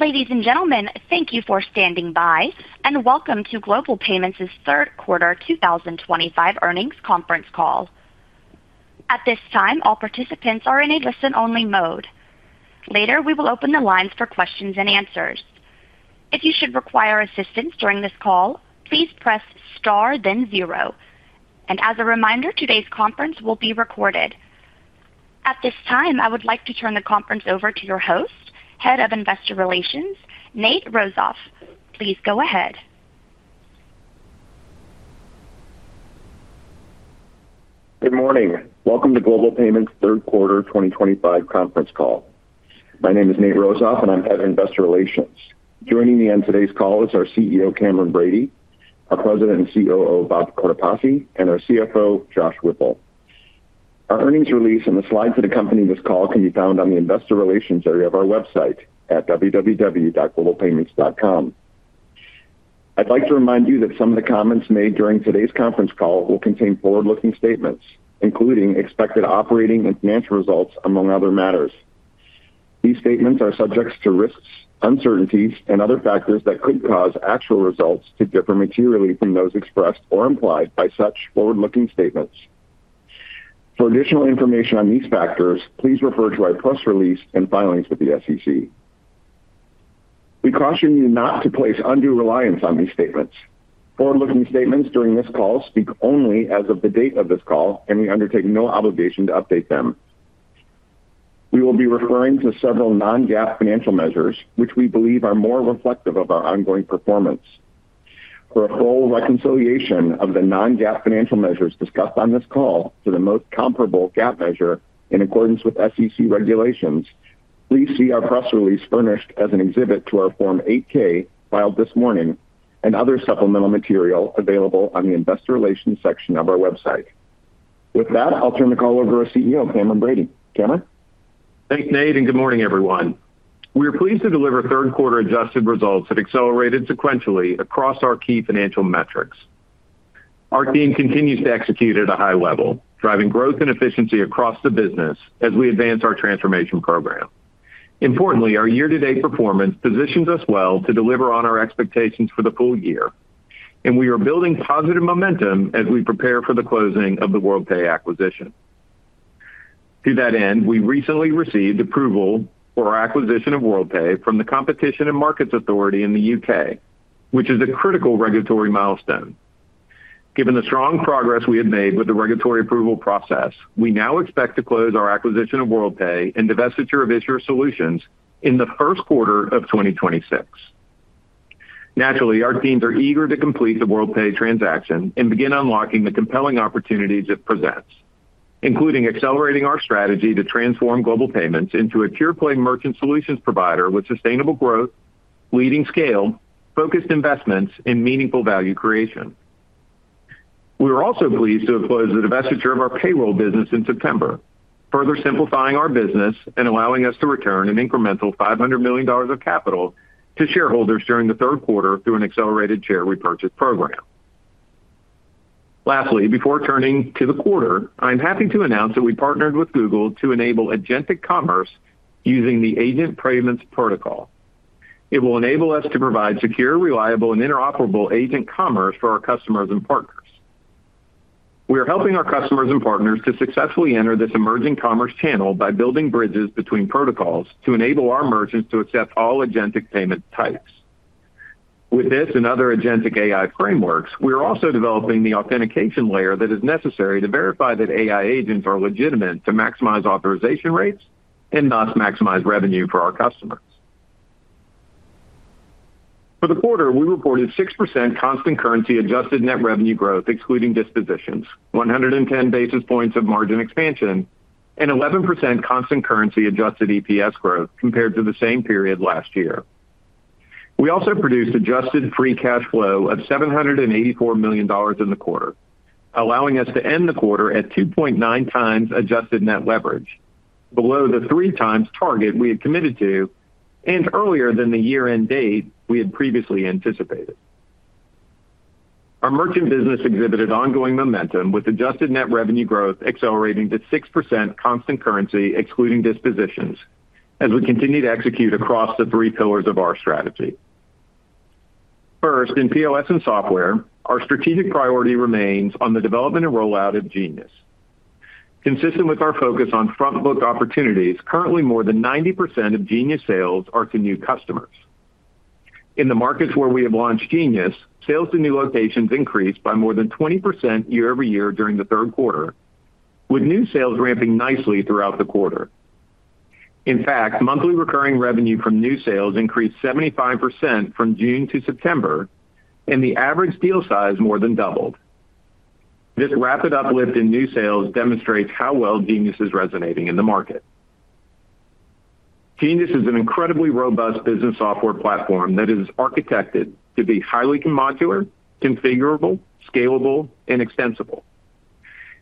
Ladies and gentlemen, thank you for standing by, and welcome to Global Payments' third quarter 2025 earnings conference call. At this time, all participants are in a listen-only mode. Later, we will open the lines for questions and answers. If you should require assistance during this call, please press star then zero. As a reminder, today's conference will be recorded. At this time, I would like to turn the conference over to your host, Head of Investor Relations, Nate Rosof. Please go ahead. Good morning. Welcome to Global Payments' third quarter 2025 conference call. My name is Nate Rosof, and I'm Head of Investor Relations. Joining me on today's call is our CEO, Cameron Bready, our President and COO, Bob Cortopassi, and our CFO, Josh Whipple. Our earnings release and the slides that accompany this call can be found on the investor relations area of our website at www.globalpayments.com. I'd like to remind you that some of the comments made during today's conference call will contain forward-looking statements, including expected operating and financial results, among other matters. These statements are subject to risks, uncertainties, and other factors that could cause actual results to differ materially from those expressed or implied by such forward-looking statements. For additional information on these factors, please refer to our press release and filings with the SEC. We caution you not to place undue reliance on these statements. Forward-looking statements during this call speak only as of the date of this call, and we undertake no obligation to update them. We will be referring to several non-GAAP financial measures, which we believe are more reflective of our ongoing performance. For a full reconciliation of the non-GAAP financial measures discussed on this call to the most comparable GAAP measure in accordance with SEC regulations, please see our press release furnished as an exhibit to our Form 8K filed this morning and other supplemental material available on the investor relations section of our website. With that, I'll turn the call over to our CEO, Cameron Bready. Cameron? Thanks, Nate, and good morning, everyone. We're pleased to deliver third-quarter adjusted results that accelerated sequentially across our key financial metrics. Our team continues to execute at a high level, driving growth and efficiency across the business as we advance our transformation program. Importantly, our year-to-date performance positions us well to deliver on our expectations for the full year, and we are building positive momentum as we prepare for the closing of the Worldpay acquisition. To that end, we recently received approval for our acquisition of Worldpay from the Competition and Markets Authority in the UK, which is a critical regulatory milestone. Given the strong progress we have made with the regulatory approval process, we now expect to close our acquisition of Worldpay and divestiture of Issuer Solutions in the first quarter of 2026. Naturally, our teams are eager to complete the Worldpay transaction and begin unlocking the compelling opportunities it presents, including accelerating our strategy to transform Global Payments into a pure-play merchant solutions provider with sustainable growth, leading scale, focused investments, and meaningful value creation. We are also pleased to have closed the divestiture of our payroll business in September, further simplifying our business and allowing us to return an incremental $500 million of capital to shareholders during the third quarter through an accelerated share repurchase program. Lastly, before turning to the quarter, I am happy to announce that we partnered with Google to enable agentic commerce using the Agent Payments Protocol. It will enable us to provide secure, reliable, and interoperable agent commerce for our customers and partners. We are helping our customers and partners to successfully enter this emerging commerce channel by building bridges between protocols to enable our merchants to accept all agentic payment types. With this and other agentic AI frameworks, we are also developing the authentication layer that is necessary to verify that AI agents are legitimate to maximize authorization rates and thus maximize revenue for our customers. For the quarter, we reported 6% constant currency adjusted net revenue growth, excluding dispositions, 110 basis points of margin expansion, and 11% constant currency adjusted EPS growth compared to the same period last year. We also produced adjusted free cash flow of $784 million in the quarter, allowing us to end the quarter at 2.9 times adjusted net leverage, below the three-times target we had committed to and earlier than the year-end date we had previously anticipated. Our merchant business exhibited ongoing momentum, with adjusted net revenue growth accelerating to 6% constant currency, excluding dispositions, as we continue to execute across the three pillars of our strategy. First, in POS and software, our strategic priority remains on the development and rollout of Genius. Consistent with our focus on front-book opportunities, currently more than 90% of Genius sales are to new customers. In the markets where we have launched Genius, sales to new locations increased by more than 20% year-over-year during the third quarter, with new sales ramping nicely throughout the quarter. In fact, monthly recurring revenue from new sales increased 75% from June to September. The average deal size more than doubled. This rapid uplift in new sales demonstrates how well Genius is resonating in the market. Genius is an incredibly robust business software platform that is architected to be highly modular, configurable, scalable, and extensible.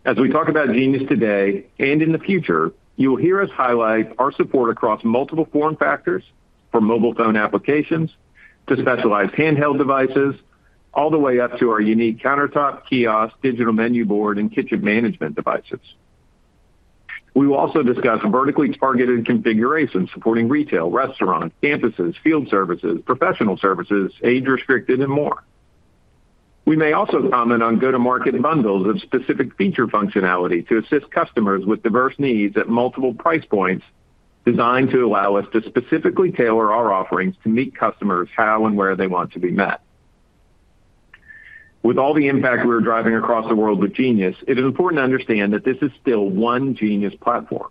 As we talk about Genius today and in the future, you will hear us highlight our support across multiple form factors, from mobile phone applications to specialized handheld devices, all the way up to our unique countertop, kiosk, Digital Menu Board, and Kitchen Management Device. We will also discuss vertically targeted configurations supporting retail, restaurants, campuses, field services, professional services, age-restricted, and more. We may also comment on go-to-market bundles of specific feature functionality to assist customers with diverse needs at multiple price points, designed to allow us to specifically tailor our offerings to meet customers' how and where they want to be met. With all the impact we are driving across the world with Genius, it is important to understand that this is still one Genius platform.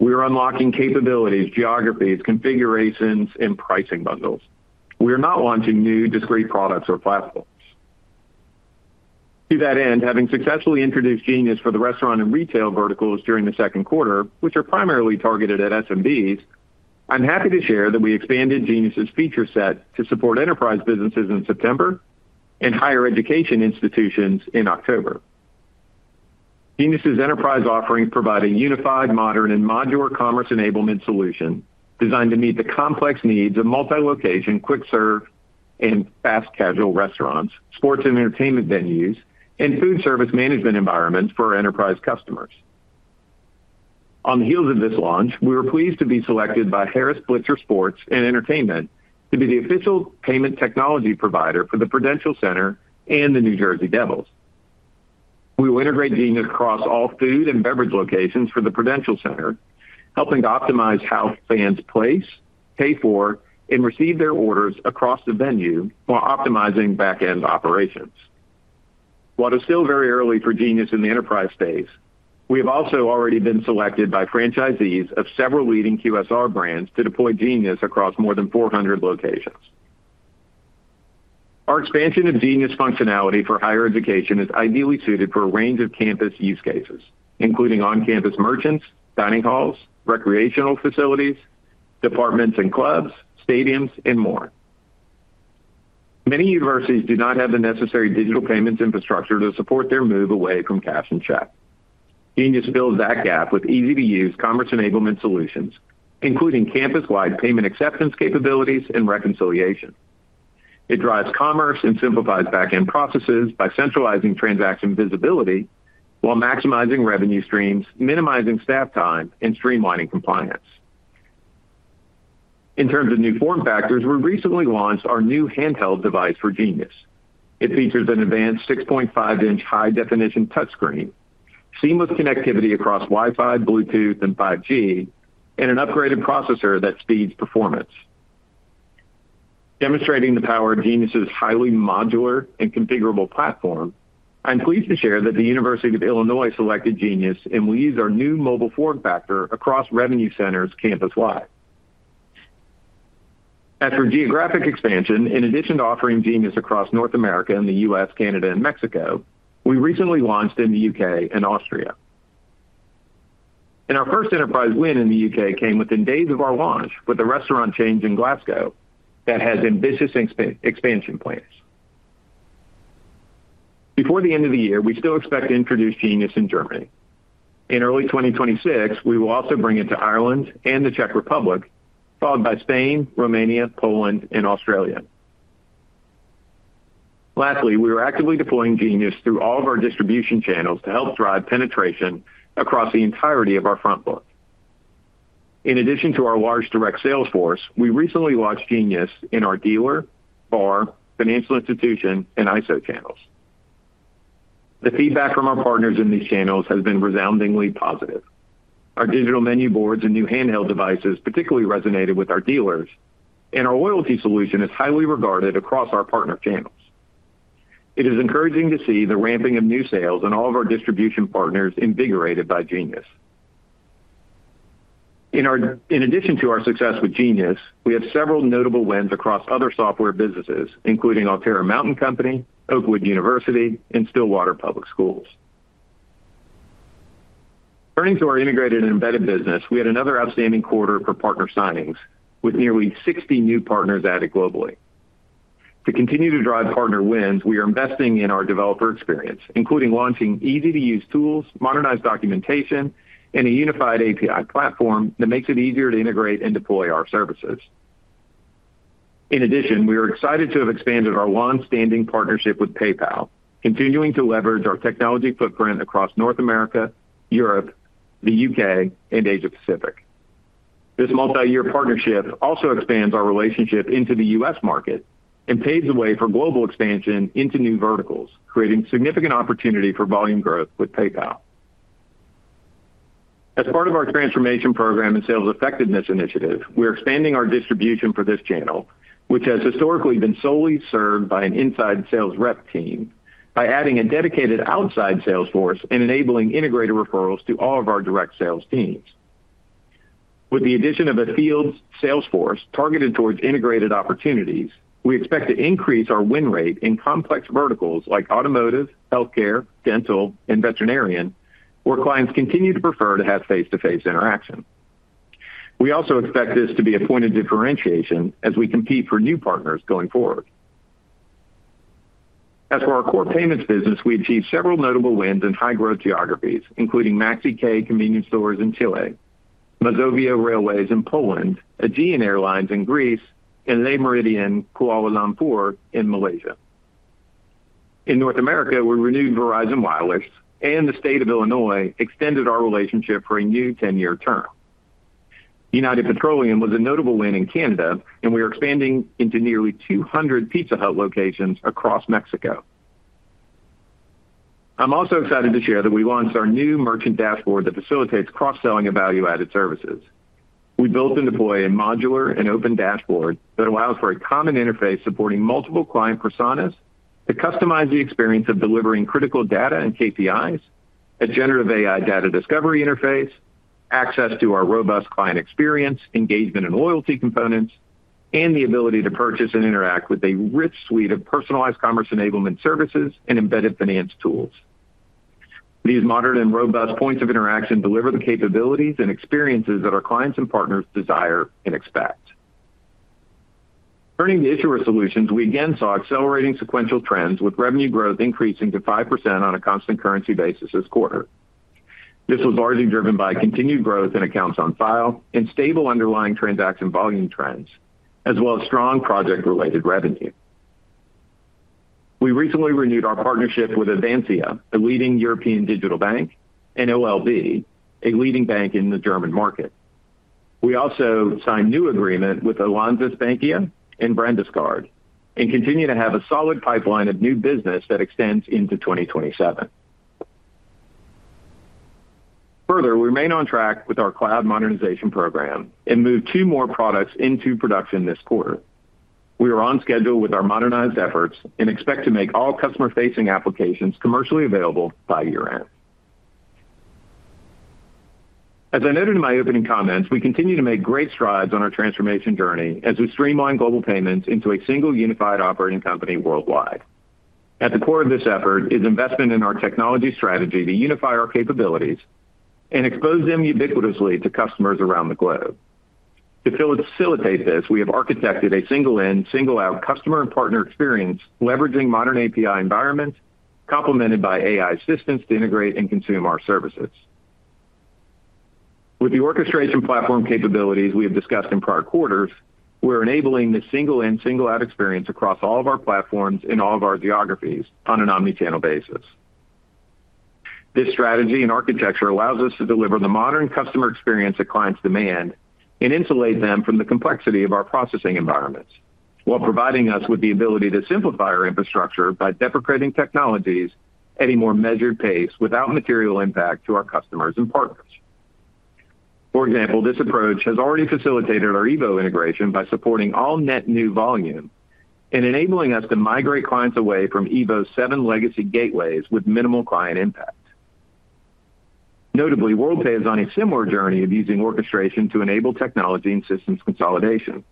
We are unlocking capabilities, geographies, configurations, and pricing bundles. We are not launching new, discrete products or platforms. To that end, having successfully introduced Genius for the restaurant and retail verticals during the second quarter, which are primarily targeted at SMBs, I'm happy to share that we expanded Genius's feature set to support enterprise businesses in September and higher education institutions in October. Genius's enterprise offerings provide a unified, modern, and modular commerce enablement solution designed to meet the complex needs of multi-location, quick-serve, and fast-casual restaurants, sports and entertainment venues, and food service management environments for our enterprise customers. On the heels of this launch, we were pleased to be selected by Harris Blitzer Sports & Entertainment to be the official payment technology provider for the Prudential Center and the New Jersey Devils. We will integrate Genius across all food and beverage locations for the Prudential Center, helping to optimize how fans place, pay for, and receive their orders across the venue while optimizing back-end operations. While it is still very early for Genius in the enterprise space, we have also already been selected by franchisees of several leading QSR brands to deploy Genius across more than 400 locations. Our expansion of Genius functionality for higher education is ideally suited for a range of campus use cases, including on-campus merchants, dining halls, recreational facilities, departments and clubs, stadiums, and more. Many universities do not have the necessary digital payments infrastructure to support their move away from cash and check. Genius fills that gap with easy-to-use commerce enablement solutions, including campus-wide payment acceptance capabilities and reconciliation. It drives commerce and simplifies back-end processes by centralizing transaction visibility while maximizing revenue streams, minimizing staff time, and streamlining compliance. In terms of new form factors, we recently launched our new handheld device for Genius. It features an advanced 6.5-inch high-definition touchscreen, seamless connectivity across Wi-Fi, Bluetooth, and 5G, and an upgraded processor that speeds performance. Demonstrating the power of Genius's highly modular and configurable platform, I'm pleased to share that the University of Illinois selected Genius and will use our new mobile form factor across revenue centers campus-wide. As for geographic expansion, in addition to offering Genius across North America and the U.S., Canada, and Mexico, we recently launched in the UK and Austria. Our first enterprise win in the UK came within days of our launch with a restaurant chain in Glasgow that has ambitious expansion plans. Before the end of the year, we still expect to introduce Genius in Germany. In early 2026, we will also bring it to Ireland and the Czech Republic, followed by Spain, Romania, Poland, and Australia. Lastly, we are actively deploying Genius through all of our distribution channels to help drive penetration across the entirety of our front book. In addition to our large direct sales force, we recently launched Genius in our dealer, bar, financial institution, and ISO channels. The feedback from our partners in these channels has been resoundingly positive. Our digital menu boards and new handheld devices particularly resonated with our dealers, and our loyalty solution is highly regarded across our partner channels. It is encouraging to see the ramping of new sales in all of our distribution partners invigorated by Genius. In addition to our success with Genius, we have several notable wins across other software businesses, including Alterra Mountain Company, Oakwood University, and Stillwater Public Schools. Turning to our integrated and embedded business, we had another outstanding quarter for partner signings with nearly 60 new partners added globally. To continue to drive partner wins, we are investing in our developer experience, including launching easy-to-use tools, modernized documentation, and a unified API platform that makes it easier to integrate and deploy our services. In addition, we are excited to have expanded our long-standing partnership with PayPal, continuing to leverage our technology footprint across North America, Europe, the UK, and Asia-Pacific. This multi-year partnership also expands our relationship into the U.S. market and paves the way for global expansion into new verticals, creating significant opportunity for volume growth with PayPal. As part of our transformation program and sales effectiveness initiative, we are expanding our distribution for this channel, which has historically been solely served by an inside sales rep team by adding a dedicated outside sales force and enabling integrated referrals to all of our direct sales teams. With the addition of a field sales force targeted towards integrated opportunities, we expect to increase our win rate in complex verticals like automotive, healthcare, dental, and veterinarian, where clients continue to prefer to have face-to-face interaction. We also expect this to be a point of differentiation as we compete for new partners going forward. As for our core payments business, we achieved several notable wins in high-growth geographies, including Maxi K convenience stores in Chile, Masovian Railways in Poland, Aegean Airlines in Greece, and Le Méridien Kuala Lumpur in Malaysia. In North America, we renewed Verizon Wireless, and the State of Illinois extended our relationship for a new 10-year term. United Petroleum was a notable win in Canada, and we are expanding into nearly 200 Pizza Hut locations across Mexico. I'm also excited to share that we launched our new Merchant Dashboard that facilitates cross-selling of value-added services. We built and deployed a modular and open dashboard that allows for a common interface supporting multiple client personas to customize the experience of delivering critical data and KPIs, a generative AI data discovery interface, access to our robust client experience, engagement, and loyalty components, and the ability to purchase and interact with a rich suite of personalized commerce enablement services and embedded finance tools. These modern and robust points of interaction deliver the capabilities and experiences that our clients and partners desire and expect. Turning to Issuer Solutions, we again saw accelerating sequential trends with revenue growth increasing to 5% on a constant currency basis this quarter. This was largely driven by continued growth in accounts on file and stable underlying transaction volume trends, as well as strong project-related revenue. We recently renewed our partnership with Advanzia, a leading European digital bank, and OLB, a leading bank in the German market. We also signed a new agreement with Allianz Bankia and Brandes Kardon and continue to have a solid pipeline of new business that extends into 2027. Further, we remain on track with our Cloud Modernization program and moved two more products into production this quarter. We are on schedule with our modernized efforts and expect to make all customer-facing applications commercially available by year-end. As I noted in my opening comments, we continue to make great strides on our transformation journey as we streamline Global Payments into a single unified operating company worldwide. At the core of this effort is investment in our technology strategy to unify our capabilities and expose them ubiquitously to customers around the globe. To facilitate this, we have architected a single-in, single-out customer and partner experience, leveraging modern API environments complemented by AI assistance to integrate and consume our services. With the Orchestration Platform capabilities we have discussed in prior quarters, we are enabling the single-in, single-out experience across all of our platforms in all of our geographies on an omnichannel basis. This strategy and architecture allows us to deliver the modern customer experience that clients demand and insulate them from the complexity of our processing environments while providing us with the ability to simplify our infrastructure by deprecating technologies at a more measured pace without material impact to our customers and partners. For example, this approach has already facilitated our EVO integration by supporting all net new volume and enabling us to migrate clients away from EVO's seven legacy gateways with minimal client impact. Notably, Worldpay is on a similar journey of using orchestration to enable technology and systems consolidation.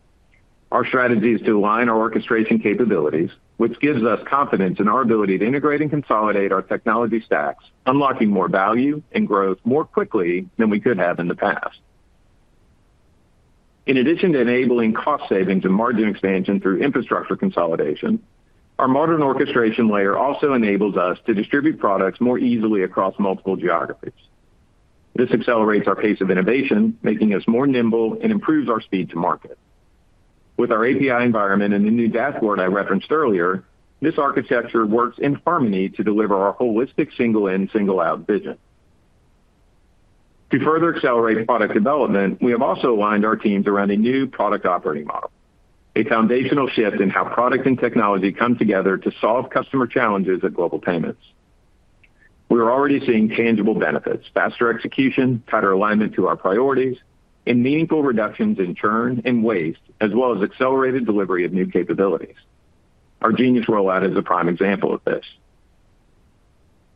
Our strategy is to align our orchestration capabilities, which gives us confidence in our ability to integrate and consolidate our technology stacks, unlocking more value and growth more quickly than we could have in the past. In addition to enabling cost savings and margin expansion through infrastructure consolidation, our modern orchestration layer also enables us to distribute products more easily across multiple geographies. This accelerates our pace of innovation, making us more nimble, and improves our speed to market. With our API environment and the new dashboard I referenced earlier, this architecture works in harmony to deliver our holistic single-in, single-out vision. To further accelerate product development, we have also aligned our teams around a new product operating model: a foundational shift in how product and technology come together to solve customer challenges at Global Payments. We are already seeing tangible benefits: faster execution, tighter alignment to our priorities, and meaningful reductions in churn and waste, as well as accelerated delivery of new capabilities. Our Genius rollout is a prime example of this.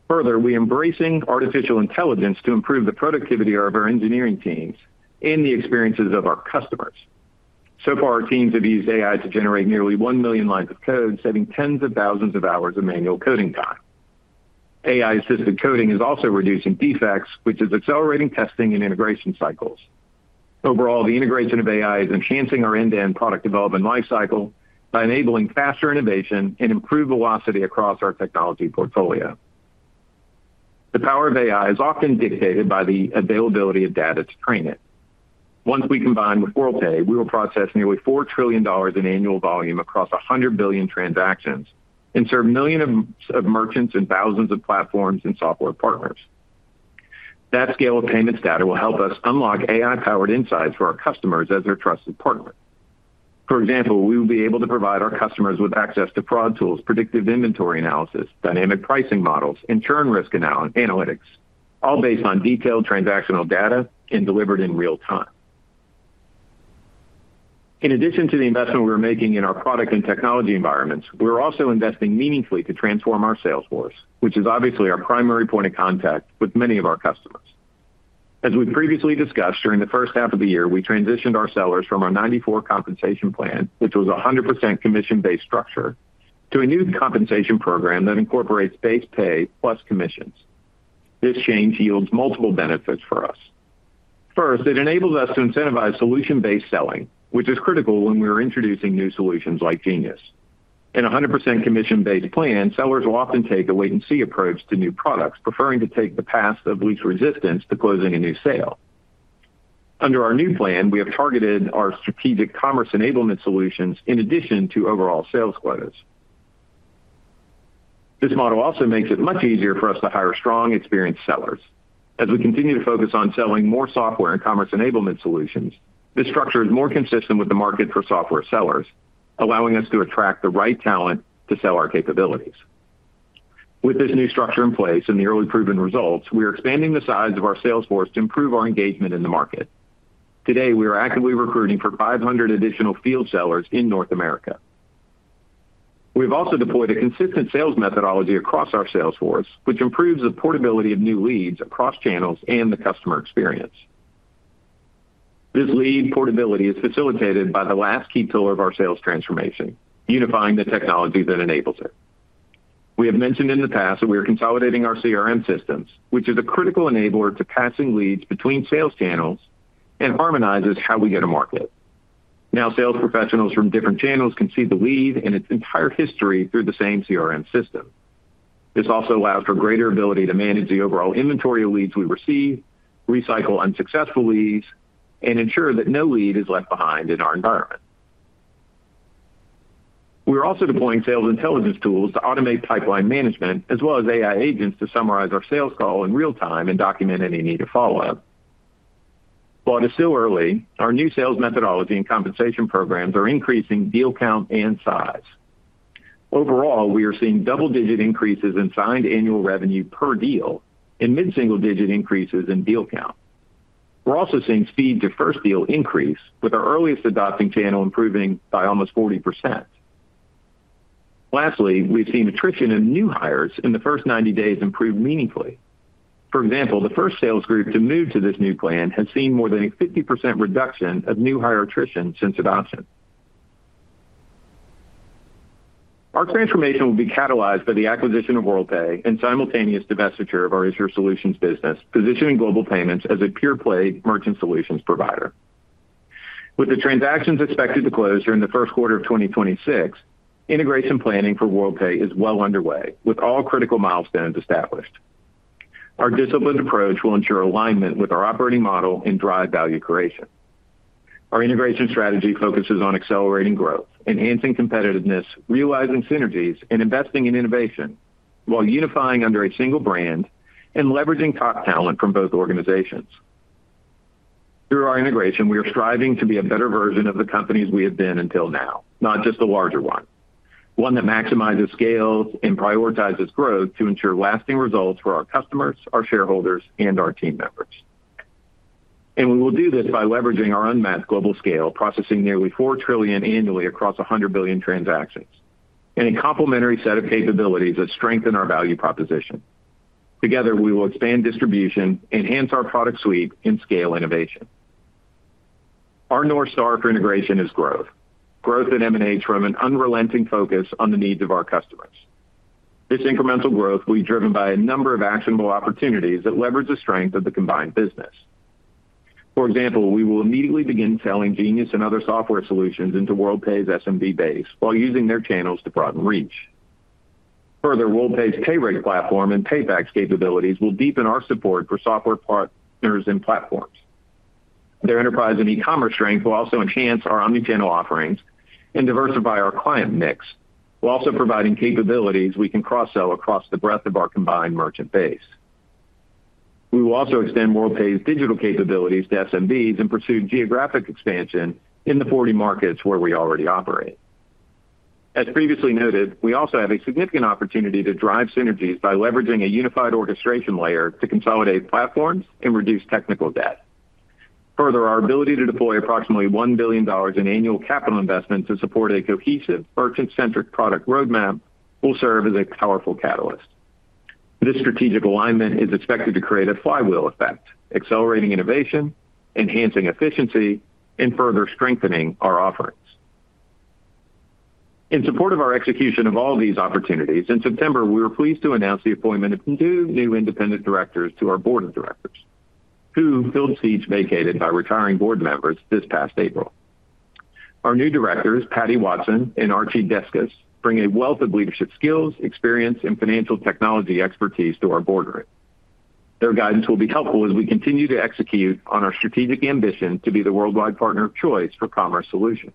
Further, we are embracing artificial intelligence to improve the productivity of our engineering teams and the experiences of our customers. So far, our teams have used AI to generate nearly 1 million lines of code, saving tens of thousands of hours of manual coding time. AI-assisted coding is also reducing defects, which is accelerating testing and integration cycles. Overall, the integration of AI is enhancing our end-to-end product development lifecycle by enabling faster innovation and improved velocity across our technology portfolio. The power of AI is often dictated by the availability of data to train it. Once we combine with Worldpay, we will process nearly $4 trillion in annual volume across 100 billion transactions and serve millions of merchants and thousands of platforms and software partners. That scale of payments data will help us unlock AI-powered insights for our customers as their trusted partner. For example, we will be able to provide our customers with access to fraud tools, predictive inventory analysis, dynamic pricing models, and churn risk analytics, all based on detailed transactional data and delivered in real time. In addition to the investment we're making in our product and technology environments, we're also investing meaningfully to transform our sales force, which is obviously our primary point of contact with many of our customers. As we previously discussed, during the first half of the year, we transitioned our sellers from our 94 compensation plan, which was a 100% commission-based structure, to a new compensation program that incorporates base pay plus commissions. This change yields multiple benefits for us. First, it enables us to incentivize solution-based selling, which is critical when we are introducing new solutions like Genius. In a 100% commission-based plan, sellers will often take a wait-and-see approach to new products, preferring to take the path of least resistance to closing a new sale. Under our new plan, we have targeted our strategic commerce enablement solutions in addition to overall sales quotas. This model also makes it much easier for us to hire strong, experienced sellers. As we continue to focus on selling more software and commerce enablement solutions, this structure is more consistent with the market for software sellers, allowing us to attract the right talent to sell our capabilities. With this new structure in place and the early proven results, we are expanding the size of our sales force to improve our engagement in the market. Today, we are actively recruiting for 500 additional field sellers in North America. We have also deployed a consistent sales methodology across our sales force, which improves the portability of new leads across channels and the customer experience. This lead portability is facilitated by the last key pillar of our sales transformation: unifying the technology that enables it. We have mentioned in the past that we are consolidating our CRM Systems, which is a critical enabler to passing leads between sales channels and harmonizes how we get a market. Now, sales professionals from different channels can see the lead and its entire history through the same CRM system. This also allows for greater ability to manage the overall inventory of leads we receive, recycle unsuccessful leads, and ensure that no lead is left behind in our environment. We are also deploying sales intelligence tools to automate pipeline management, as well as AI agents to summarize our sales call in real time and document any need to follow up. While it is still early, our new sales methodology and compensation programs are increasing deal count and size. Overall, we are seeing double-digit increases in signed annual revenue per deal and mid-single-digit increases in deal count. We're also seeing speed to first deal increase, with our earliest adopting channel improving by almost 40%. Lastly, we've seen attrition in new hires in the first 90 days improve meaningfully. For example, the first sales group to move to this new plan has seen more than a 50% reduction of new hire attrition since adoption. Our transformation will be catalyzed by the acquisition of Worldpay and simultaneous divestiture of our Issuer Solutions business, positioning Global Payments as a pure-play merchant solutions provider. With the transactions expected to close during the first quarter of 2026, integration planning for Worldpay is well underway, with all critical milestones established. Our disciplined approach will ensure alignment with our operating model and drive value creation. Our integration strategy focuses on accelerating growth, enhancing competitiveness, realizing synergies, and investing in innovation while unifying under a single brand and leveraging top talent from both organizations. Through our integration, we are striving to be a better version of the companies we have been until now, not just a larger one, one that maximizes scale and prioritizes growth to ensure lasting results for our customers, our shareholders, and our team members. We will do this by leveraging our unmatched global scale, processing nearly $4 trillion annually across 100 billion transactions, and a complementary set of capabilities that strengthen our value proposition. Together, we will expand distribution, enhance our product suite, and scale innovation. Our North Star for integration is growth, growth that emanates from an unrelenting focus on the needs of our customers. This incremental growth will be driven by a number of actionable opportunities that leverage the strength of the combined business. For example, we will immediately begin selling Genius and other software solutions into Worldpay's SMB base while using their channels to broaden reach. Further, Worldpay's Payrix Platform and Paybacks Capabilities will deepen our support for software partners and platforms. Their enterprise and e-commerce strength will also enhance our omnichannel offerings and diversify our client mix, while also providing capabilities we can cross-sell across the breadth of our combined merchant base. We will also extend Worldpay's digital capabilities to SMBs and pursue geographic expansion in the 40 markets where we already operate. As previously noted, we also have a significant opportunity to drive synergies by leveraging a unified orchestration layer to consolidate platforms and reduce technical debt. Further, our ability to deploy approximately $1 billion in annual capital investment to support a cohesive, merchant-centric product roadmap will serve as a powerful catalyst. This strategic alignment is expected to create a flywheel effect, accelerating innovation, enhancing efficiency, and further strengthening our offerings. In support of our execution of all these opportunities, in September, we were pleased to announce the appointment of two new independent directors to our board of directors, who filled seats vacated by retiring board members this past April. Our new directors, Patty Watson and Archie Deskus, bring a wealth of leadership skills, experience, and financial technology expertise to our boardroom. Their guidance will be helpful as we continue to execute on our strategic ambition to be the worldwide partner of choice for commerce solutions.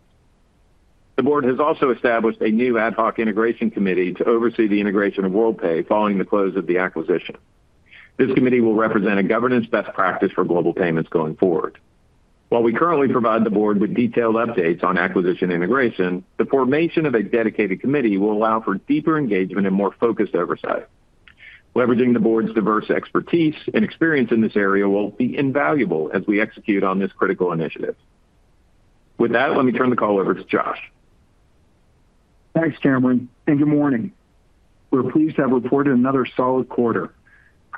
The board has also established a new Ad Hoc Integration Committee to oversee the integration of Worldpay following the close of the acquisition. This committee will represent a governance best practice for Global Payments going forward. While we currently provide the board with detailed updates on acquisition integration, the formation of a dedicated committee will allow for deeper engagement and more focused oversight. Leveraging the board's diverse expertise and experience in this area will be invaluable as we execute on this critical initiative. With that, let me turn the call over to Josh. Thanks, Cameron, and good morning. We're pleased to have reported another solid quarter,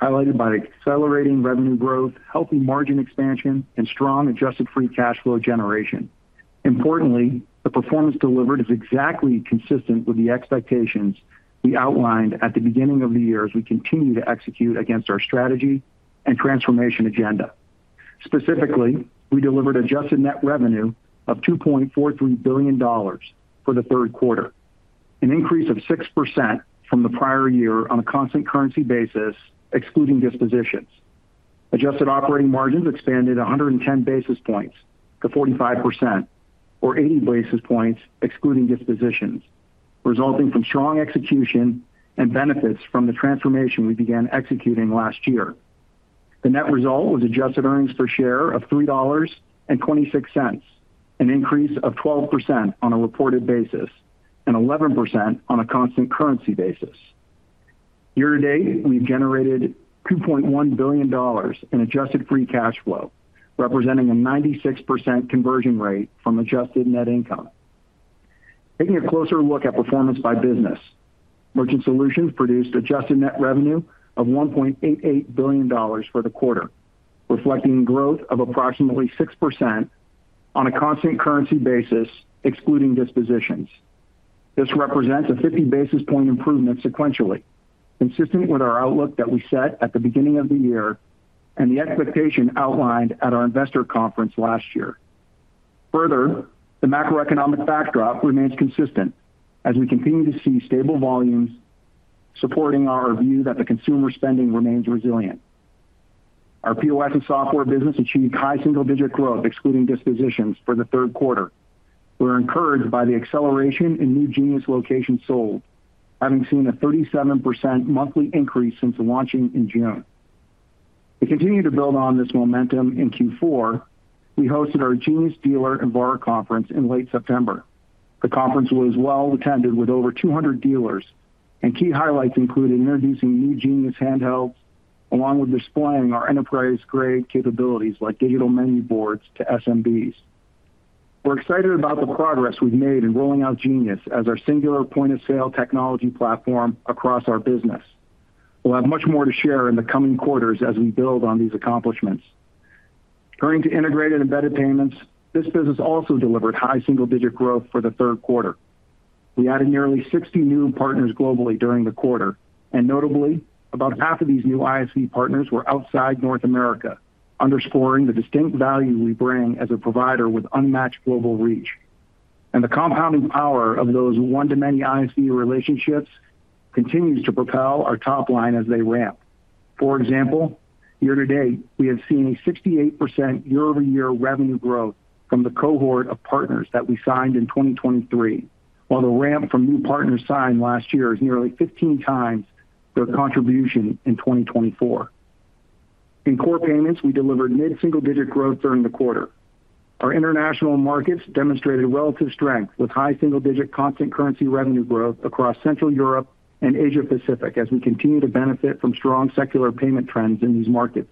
highlighted by accelerating revenue growth, healthy margin expansion, and strong adjusted free cash flow generation. Importantly, the performance delivered is exactly consistent with the expectations we outlined at the beginning of the year as we continue to execute against our strategy and transformation agenda. Specifically, we delivered adjusted net revenue of $2.43 billion for the third quarter, an increase of 6% from the prior year on a constant currency basis, excluding dispositions. Adjusted operating margins expanded 110 basis points to 45%, or 80 basis points excluding dispositions, resulting from strong execution and benefits from the transformation we began executing last year. The net result was adjusted earnings per share of $3.26, an increase of 12% on a reported basis and 11% on a constant currency basis. Year-to-date, we've generated $2.1 billion in adjusted free cash flow, representing a 96% conversion rate from adjusted net income. Taking a closer look at performance by business. Merchant solutions produced adjusted net revenue of $1.88 billion for the quarter, reflecting growth of approximately 6% on a constant currency basis, excluding dispositions. This represents a 50 basis point improvement sequentially, consistent with our outlook that we set at the beginning of the year and the expectation outlined at our investor conference last year. Further, the macroeconomic backdrop remains consistent as we continue to see stable volumes, supporting our view that the consumer spending remains resilient. Our POS and software business achieved high single-digit growth, excluding dispositions, for the third quarter. We're encouraged by the acceleration in new Genius locations sold, having seen a 37% monthly increase since launching in June. To continue to build on this momentum in Q4, we hosted our Genius Dealer and VAR conference in late September. The conference was well attended with over 200 dealers, and key highlights included introducing new Genius handhelds, along with displaying our enterprise-grade capabilities like digital menu boards to SMBs. We're excited about the progress we've made in rolling out Genius as our singular point of sale technology platform across our business. We'll have much more to share in the coming quarters as we build on these accomplishments. Turning to integrated embedded payments, this business also delivered high single-digit growth for the third quarter. We added nearly 60 new partners globally during the quarter, and notably, about half of these new ISV partners were outside North America, underscoring the distinct value we bring as a provider with unmatched global reach. The compounding power of those one-to-many ISV relationships continues to propel our top line as they ramp. For example, year-to-date, we have seen a 68% year-over-year revenue growth from the cohort of partners that we signed in 2023, while the ramp from new partners signed last year is nearly 15 times the contribution in 2024. In core payments, we delivered mid-single-digit growth during the quarter. Our international markets demonstrated relative strength with high single-digit constant currency revenue growth across Central Europe and Asia-Pacific as we continue to benefit from strong secular payment trends in these markets.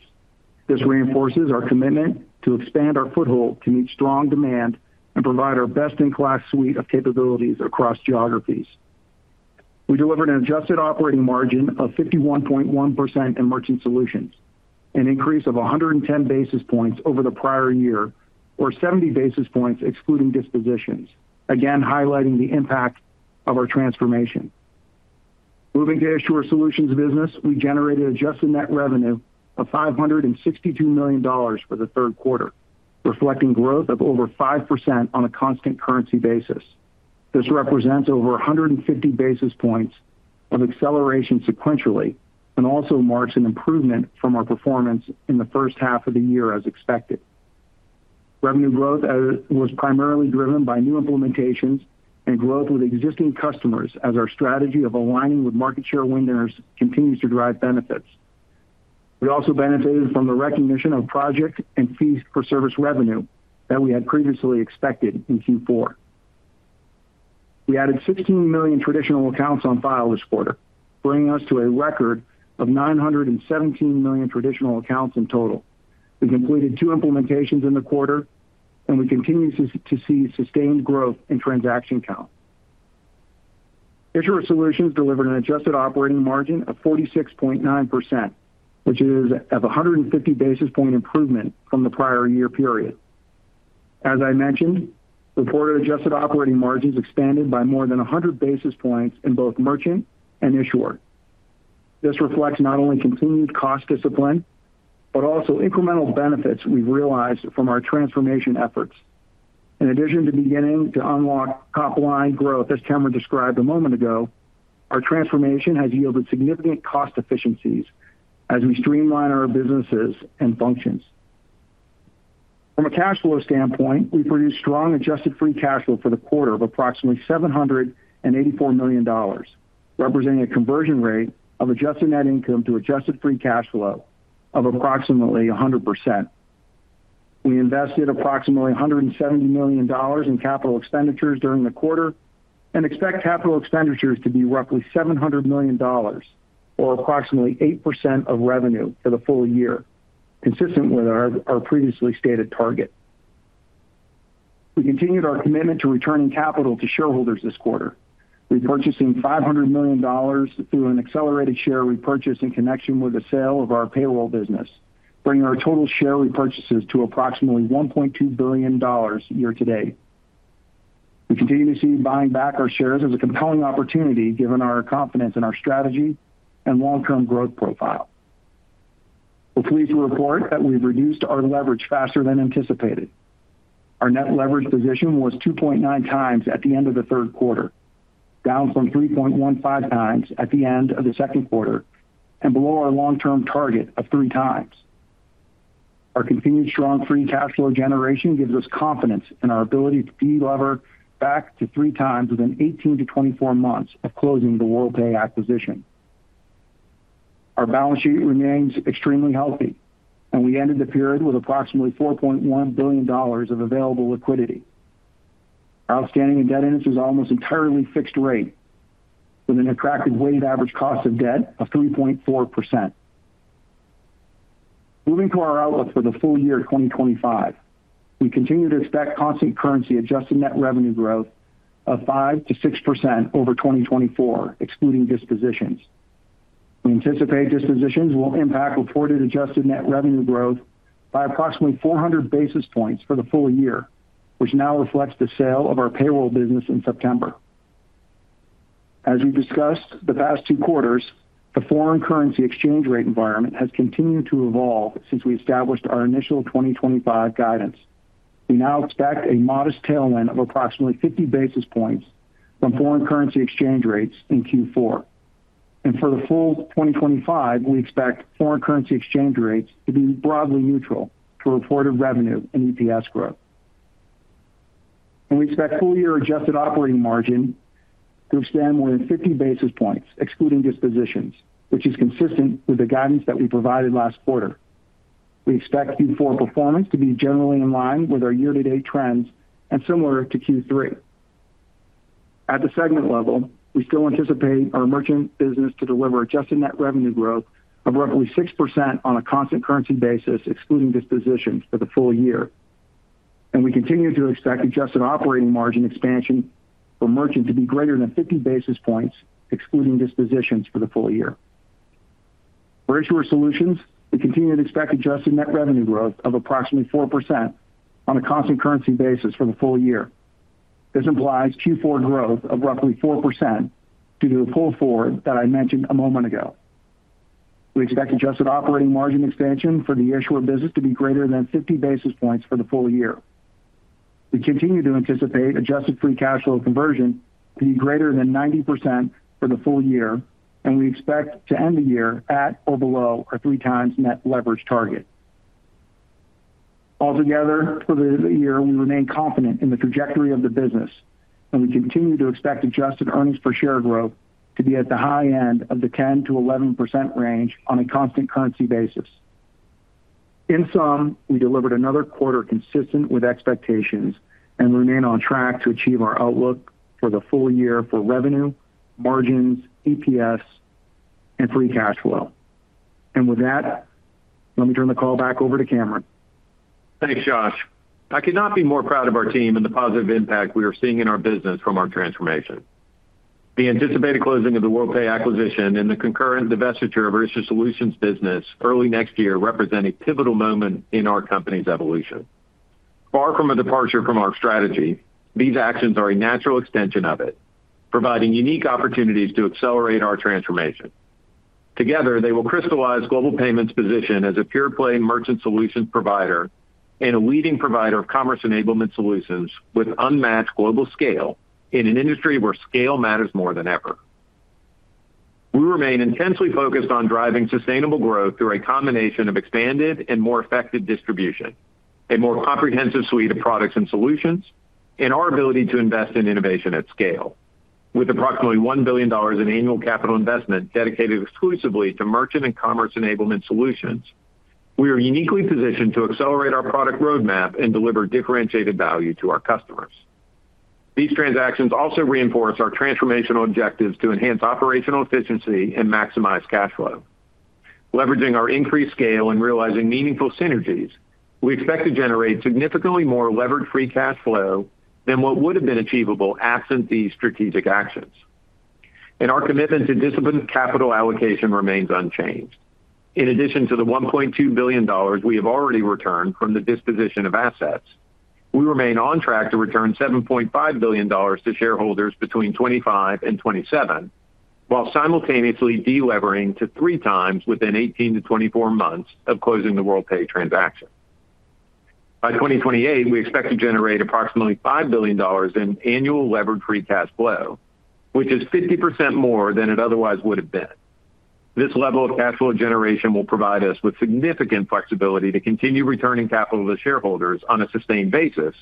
This reinforces our commitment to expand our foothold to meet strong demand and provide our best-in-class suite of capabilities across geographies. We delivered an adjusted operating margin of 51.1% in merchant solutions, an increase of 110 basis points over the prior year, or 70 basis points excluding dispositions, again highlighting the impact of our transformation. Moving to Issuer Solutions business, we generated adjusted net revenue of $562 million for the third quarter, reflecting growth of over 5% on a constant currency basis. This represents over 150 basis points of acceleration sequentially and also marks an improvement from our performance in the first half of the year as expected. Revenue growth was primarily driven by new implementations and growth with existing customers as our strategy of aligning with market share winners continues to drive benefits. We also benefited from the recognition of project and fees-for-service revenue that we had previously expected in Q4. We added 16 million traditional accounts on file this quarter, bringing us to a record of 917 million traditional accounts in total. We completed two implementations in the quarter, and we continue to see sustained growth in transaction count. Issuer Solutions delivered an adjusted operating margin of 46.9%, which is a 150 basis point improvement from the prior year period. As I mentioned, reported adjusted operating margins expanded by more than 100 basis points in both merchant and issuer. This reflects not only continued cost discipline but also incremental benefits we've realized from our transformation efforts. In addition to beginning to unlock top-line growth, as Cameron described a moment ago, our transformation has yielded significant cost efficiencies as we streamline our businesses and functions. From a cash flow standpoint, we produced strong adjusted free cash flow for the quarter of approximately $784 million, representing a conversion rate of adjusted net income to adjusted free cash flow of approximately 100%. We invested approximately $170 million in capital expenditures during the quarter and expect capital expenditures to be roughly $700 million, or approximately 8% of revenue for the full year, consistent with our previously stated target. We continued our commitment to returning capital to shareholders this quarter, repurchasing $500 million through an accelerated share repurchase in connection with the sale of our payroll business, bringing our total share repurchases to approximately $1.2 billion year-to-date. We continue to see buying back our shares as a compelling opportunity given our confidence in our strategy and long-term growth profile. We're pleased to report that we've reduced our leverage faster than anticipated. Our net leverage position was 2.9 times at the end of the third quarter, down from 3.15 times at the end of the second quarter, and below our long-term target of three times. Our continued strong free cash flow generation gives us confidence in our ability to deliver back to three times within 18-24 months of closing the Worldpay acquisition. Our balance sheet remains extremely healthy, and we ended the period with approximately $4.1 billion of available liquidity. Our outstanding indebtedness is almost entirely fixed rate, with an attractive weighted average cost of debt of 3.4%. Moving to our outlook for the full year 2025, we continue to expect constant currency adjusted net revenue growth of 5%-6% over 2024, excluding dispositions. We anticipate dispositions will impact reported adjusted net revenue growth by approximately 400 basis points for the full year, which now reflects the sale of our payroll business in September. As we have discussed the past two quarters, the foreign currency exchange rate environment has continued to evolve since we established our initial 2025 guidance. We now expect a modest tailwind of approximately 50 basis points from foreign currency exchange rates in Q4. For the full 2025, we expect foreign currency exchange rates to be broadly neutral to reported revenue and EPS growth. We expect full-year adjusted operating margin to extend within 50 basis points, excluding dispositions, which is consistent with the guidance that we provided last quarter. We expect Q4 performance to be generally in line with our year-to-date trends and similar to Q3. At the segment level, we still anticipate our merchant business to deliver adjusted net revenue growth of roughly 6% on a constant currency basis, excluding dispositions for the full year. We continue to expect adjusted operating margin expansion for merchant to be greater than 50 basis points, excluding dispositions for the full year. For Issuer Solutions, we continue to expect adjusted net revenue growth of approximately 4% on a constant currency basis for the full year. This implies Q4 growth of roughly 4% due to the pull forward that I mentioned a moment ago. We expect adjusted operating margin expansion for the Issuer business to be greater than 50 basis points for the full year. We continue to anticipate adjusted free cash flow conversion to be greater than 90% for the full year, and we expect to end the year at or below our three-times net leverage target. Altogether, for the year, we remain confident in the trajectory of the business, and we continue to expect adjusted earnings per share growth to be at the high end of the 10%-11% range on a constant currency basis. In sum, we delivered another quarter consistent with expectations and remain on track to achieve our outlook for the full year for revenue, margins, EPS, and free cash flow. With that, let me turn the call back over to Cameron. Thanks, Josh. I could not be more proud of our team and the positive impact we are seeing in our business from our transformation. The anticipated closing of the Worldpay acquisition and the concurrent divestiture of our Issuer Solutions business early next year represent a pivotal moment in our company's evolution. Far from a departure from our strategy, these actions are a natural extension of it, providing unique opportunities to accelerate our transformation. Together, they will crystallize Global Payments' position as a pure-play merchant solutions provider and a leading provider of commerce enablement solutions with unmatched global scale in an industry where scale matters more than ever. We remain intensely focused on driving sustainable growth through a combination of expanded and more effective distribution, a more comprehensive suite of products and solutions, and our ability to invest in innovation at scale. With approximately $1 billion in annual capital investment dedicated exclusively to merchant and commerce enablement solutions, we are uniquely positioned to accelerate our product roadmap and deliver differentiated value to our customers. These transactions also reinforce our transformational objectives to enhance operational efficiency and maximize cash flow. Leveraging our increased scale and realizing meaningful synergies, we expect to generate significantly more leverage-free cash flow than what would have been achievable absent these strategic actions. Our commitment to disciplined capital allocation remains unchanged. In addition to the $1.2 billion we have already returned from the disposition of assets, we remain on track to return $7.5 billion to shareholders between 2025 and 2027, while simultaneously delevering to three times within 18-24 months of closing the Worldpay transaction. By 2028, we expect to generate approximately $5 billion in annual leverage-free cash flow, which is 50% more than it otherwise would have been. This level of cash flow generation will provide us with significant flexibility to continue returning capital to shareholders on a sustained basis,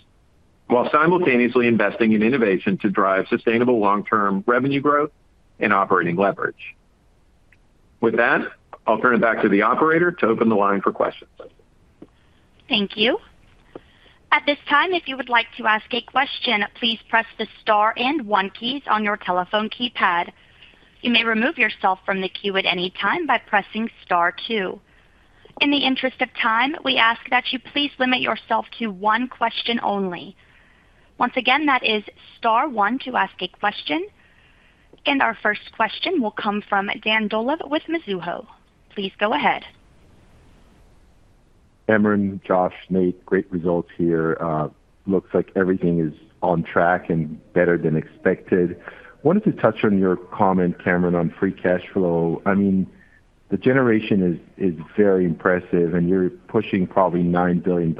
while simultaneously investing in innovation to drive sustainable long-term revenue growth and operating leverage. With that, I'll turn it back to the operator to open the line for questions. Thank you. At this time, if you would like to ask a question, please press the star and one keys on your telephone keypad. You may remove yourself from the queue at any time by pressing star two. In the interest of time, we ask that you please limit yourself to one question only. Once again, that is star one to ask a question. Our first question will come from Dan Dolev with Mizuho. Please go ahead. Cameron, Josh, Nate, great results here. Looks like everything is on track and better than expected. Wanted to touch on your comment, Cameron, on free cash flow. I mean, the generation is very impressive, and you're pushing probably $9 billion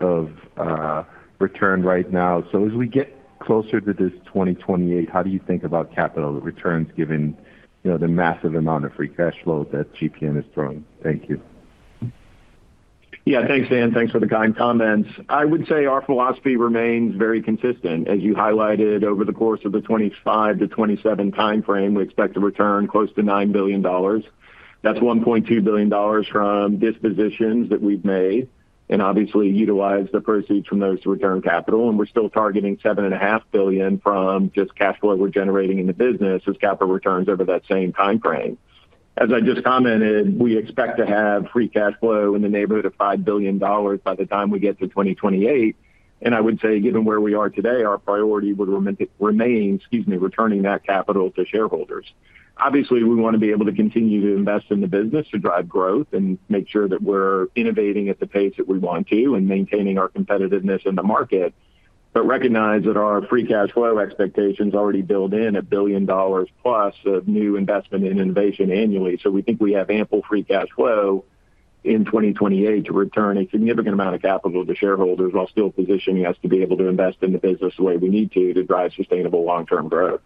of return right now. As we get closer to this 2028, how do you think about capital returns given the massive amount of free cash flow that GPN is throwing? Thank you. Yeah, thanks, Dan. Thanks for the kind comments. I would say our philosophy remains very consistent. As you highlighted over the course of the 2025 to 2027 timeframe, we expect to return close to $9 billion. That's $1.2 billion from dispositions that we've made and obviously utilized the proceeds from those to return capital. We're still targeting $7.5 billion from just cash flow we're generating in the business as capital returns over that same timeframe. As I just commented, we expect to have free cash flow in the neighborhood of $5 billion by the time we get to 2028. I would say, given where we are today, our priority would remain, excuse me, returning that capital to shareholders. Obviously, we want to be able to continue to invest in the business to drive growth and make sure that we're innovating at the pace that we want to and maintaining our competitiveness in the market, but recognize that our free cash flow expectations already build in a billion dollars plus of new investment and innovation annually. We think we have ample free cash flow in 2028 to return a significant amount of capital to shareholders while still positioning us to be able to invest in the business the way we need to to drive sustainable long-term growth.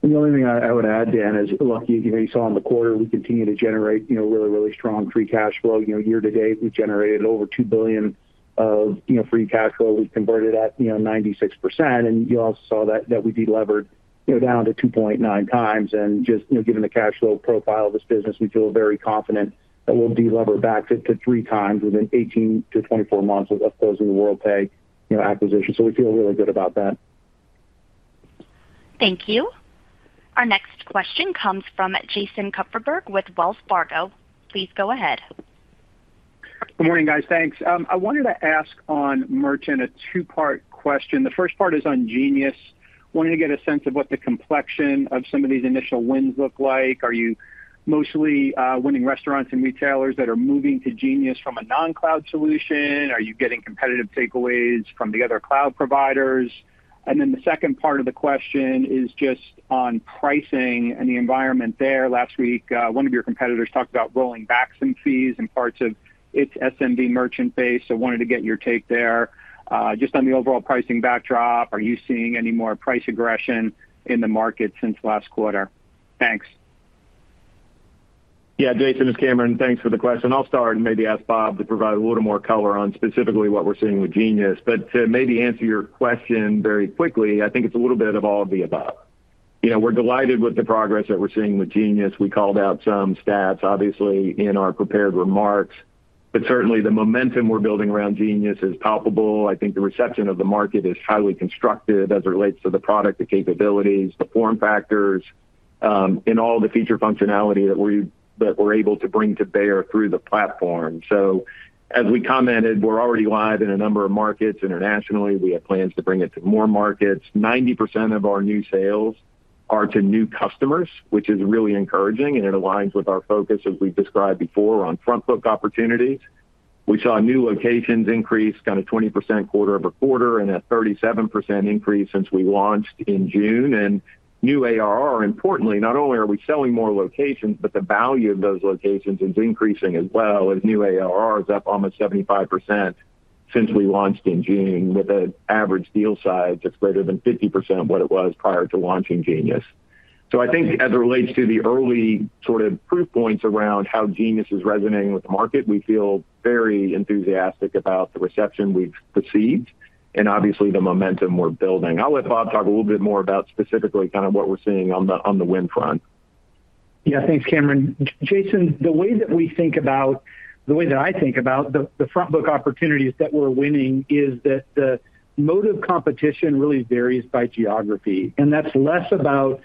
The only thing I would add, Dan, is, look, you saw in the quarter we continue to generate really, really strong free cash flow. Year to date, we've generated over $2 billion of free cash flow. We've converted at 96%. You also saw that we delivered down to 2.9 times. Just given the cash flow profile of this business, we feel very confident that we'll deliver back to three times within 18-24 months of closing the Worldpay acquisition. We feel really good about that. Thank you. Our next question comes from Jason Kupferberg with Wells Fargo. Please go ahead. Good morning, guys. Thanks. I wanted to ask on merchant a two-part question. The first part is on Genius. Wanted to get a sense of what the complexion of some of these initial wins look like. Are you mostly winning restaurants and retailers that are moving to Genius from a non-cloud solution? Are you getting competitive takeaways from the other cloud providers? The second part of the question is just on pricing and the environment there. Last week, one of your competitors talked about rolling back some fees in parts of its SMB merchant base. Wanted to get your take there. Just on the overall pricing backdrop, are you seeing any more price aggression in the market since last quarter? Thanks. Yeah, Jason, it's Cameron. Thanks for the question. I'll start and maybe ask Bob to provide a little more color on specifically what we're seeing with Genius. To maybe answer your question very quickly, I think it's a little bit of all of the above. We're delighted with the progress that we're seeing with Genius. We called out some stats, obviously, in our prepared remarks. Certainly, the momentum we're building around Genius is palpable. I think the reception of the market is highly constructive as it relates to the product, the capabilities, the form factors, and all the feature functionality that we're able to bring to bear through the platform. As we commented, we're already live in a number of markets internationally. We have plans to bring it to more markets. 90% of our new sales are to new customers, which is really encouraging, and it aligns with our focus, as we've described before, on front-book opportunities. We saw new locations increase kind of 20% quarter-over-quarter and a 37% increase since we launched in June. And new ARR, importantly, not only are we selling more locations, but the value of those locations is increasing as well, as new ARR is up almost 75% since we launched in June, with an average deal size that's greater than 50% of what it was prior to launching Genius. So I think as it relates to the early sort of proof points around how Genius is resonating with the market, we feel very enthusiastic about the reception we've received and obviously the momentum we're building. I'll let Bob talk a little bit more about specifically kind of what we're seeing on the win front. Yeah, thanks, Cameron. Jason, the way that we think about. The way that I think about the front-book opportunities that we're winning is that the mode of competition really varies by geography. And that's less about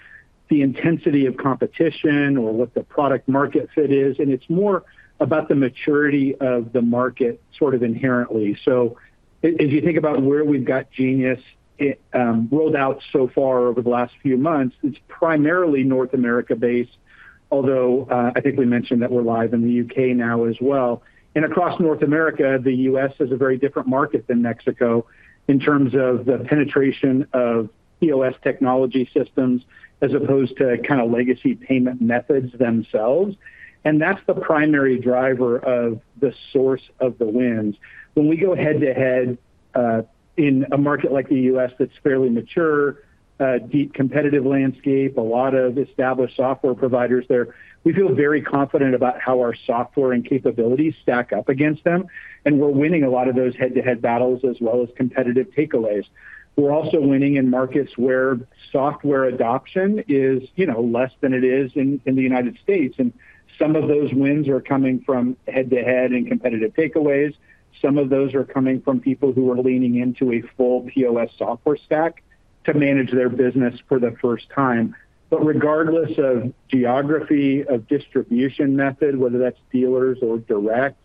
the intensity of competition or what the product market fit is. And it's more about the maturity of the market sort of inherently. So if you think about where we've got Genius. Rolled out so far over the last few months, it's primarily North America-based, although I think we mentioned that we're live in the UK now as well. And across North America, the U.S. is a very different market than Mexico in terms of the penetration of POS technology systems as opposed to kind of legacy payment methods themselves. And that's the primary driver of the source of the wins. When we go head-to-head. In a market like the U.S. that's fairly mature, deep competitive landscape, a lot of established software providers there, we feel very confident about how our software and capabilities stack up against them. And we're winning a lot of those head-to-head battles as well as competitive takeaways. We're also winning in markets where software adoption is less than it is in the United States. And some of those wins are coming from head-to-head and competitive takeaways. Some of those are coming from people who are leaning into a full POS software stack to manage their business for the first time. But regardless of geography, of distribution method, whether that's dealers or direct.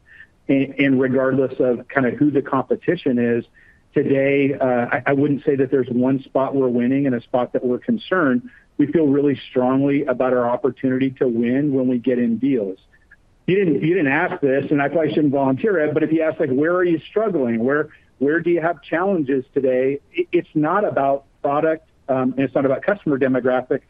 And regardless of kind of who the competition is, today, I wouldn't say that there's one spot we're winning and a spot that we're concerned. We feel really strongly about our opportunity to win when we get in deals. You didn't ask this, and I probably shouldn't volunteer it, but if you asked, "Where are you struggling? Where do you have challenges today?" It's not about product, and it's not about customer demographic.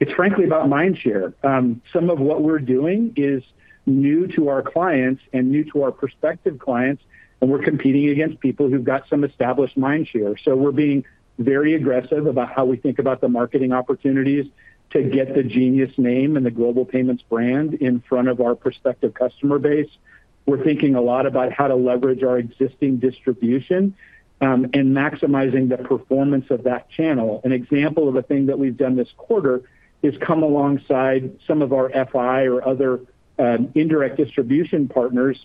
It's frankly about mind share. Some of what we're doing is new to our clients and new to our prospective clients, and we're competing against people who've got some established mind share. We're being very aggressive about how we think about the marketing opportunities to get the Genius name and the Global Payments brand in front of our prospective customer base. We're thinking a lot about how to leverage our existing distribution and maximizing the performance of that channel. An example of a thing that we've done this quarter is come alongside some of our FI or other indirect distribution partners,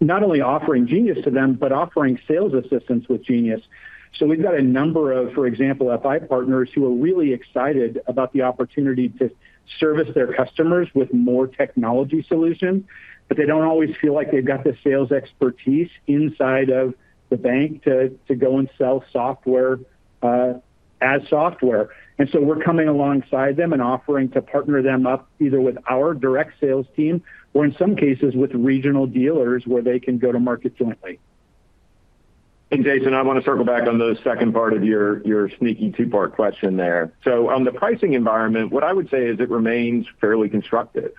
not only offering Genius to them, but offering sales assistance with Genius. We've got a number of, for example, FI partners who are really excited about the opportunity to service their customers with more technology solutions, but they don't always feel like they've got the sales expertise inside of the bank to go and sell software as software. We're coming alongside them and offering to partner them up either with our direct sales team or, in some cases, with regional dealers where they can go to market jointly. Jason, I want to circle back on the second part of your sneaky two-part question there. On the pricing environment, what I would say is it remains fairly constructive.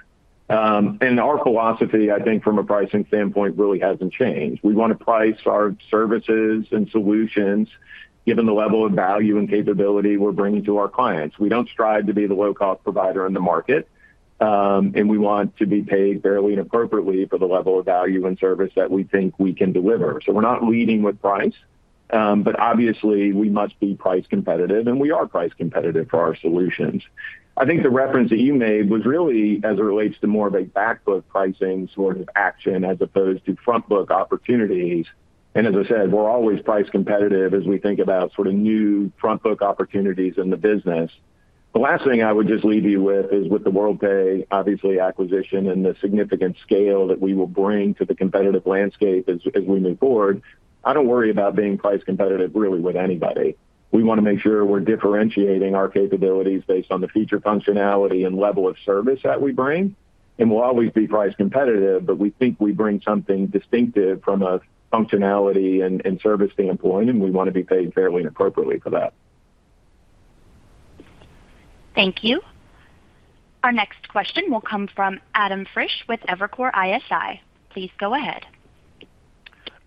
Our philosophy, I think, from a pricing standpoint, really hasn't changed. We want to price our services and solutions given the level of value and capability we're bringing to our clients. We don't strive to be the low-cost provider in the market. We want to be paid fairly and appropriately for the level of value and service that we think we can deliver. We're not leading with price, but obviously, we must be price competitive, and we are price competitive for our solutions. I think the reference that you made was really as it relates to more of a back-book pricing sort of action as opposed to front-book opportunities. As I said, we're always price competitive as we think about sort of new front-book opportunities in the business. The last thing I would just leave you with is with the Worldpay, obviously, acquisition and the significant scale that we will bring to the competitive landscape as we move forward, I don't worry about being price competitive really with anybody. We want to make sure we're differentiating our capabilities based on the feature functionality and level of service that we bring. We'll always be price competitive, but we think we bring something distinctive from a functionality and service standpoint, and we want to be paid fairly and appropriately for that. Thank you. Our next question will come from Adam Frisch with Evercore ISI. Please go ahead.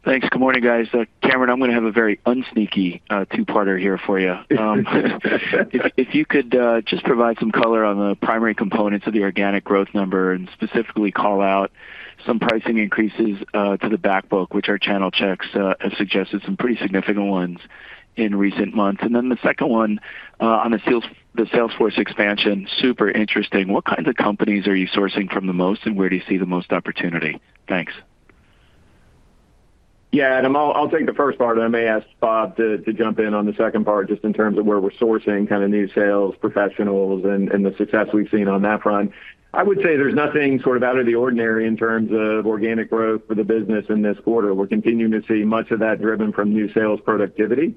Thanks. Good morning, guys. Cameron, I'm going to have a very unsneaky two-parter here for you. If you could just provide some color on the primary components of the organic growth number and specifically call out some pricing increases to the backbook, which our channel checks have suggested some pretty significant ones in recent months. The second one on the Salesforce expansion, super interesting. What kinds of companies are you sourcing from the most, and where do you see the most opportunity? Thanks. Yeah, and I'll take the first part, and I may ask Bob to jump in on the second part just in terms of where we're sourcing kind of new sales professionals and the success we've seen on that front. I would say there's nothing sort of out of the ordinary in terms of organic growth for the business in this quarter. We're continuing to see much of that driven from new sales productivity.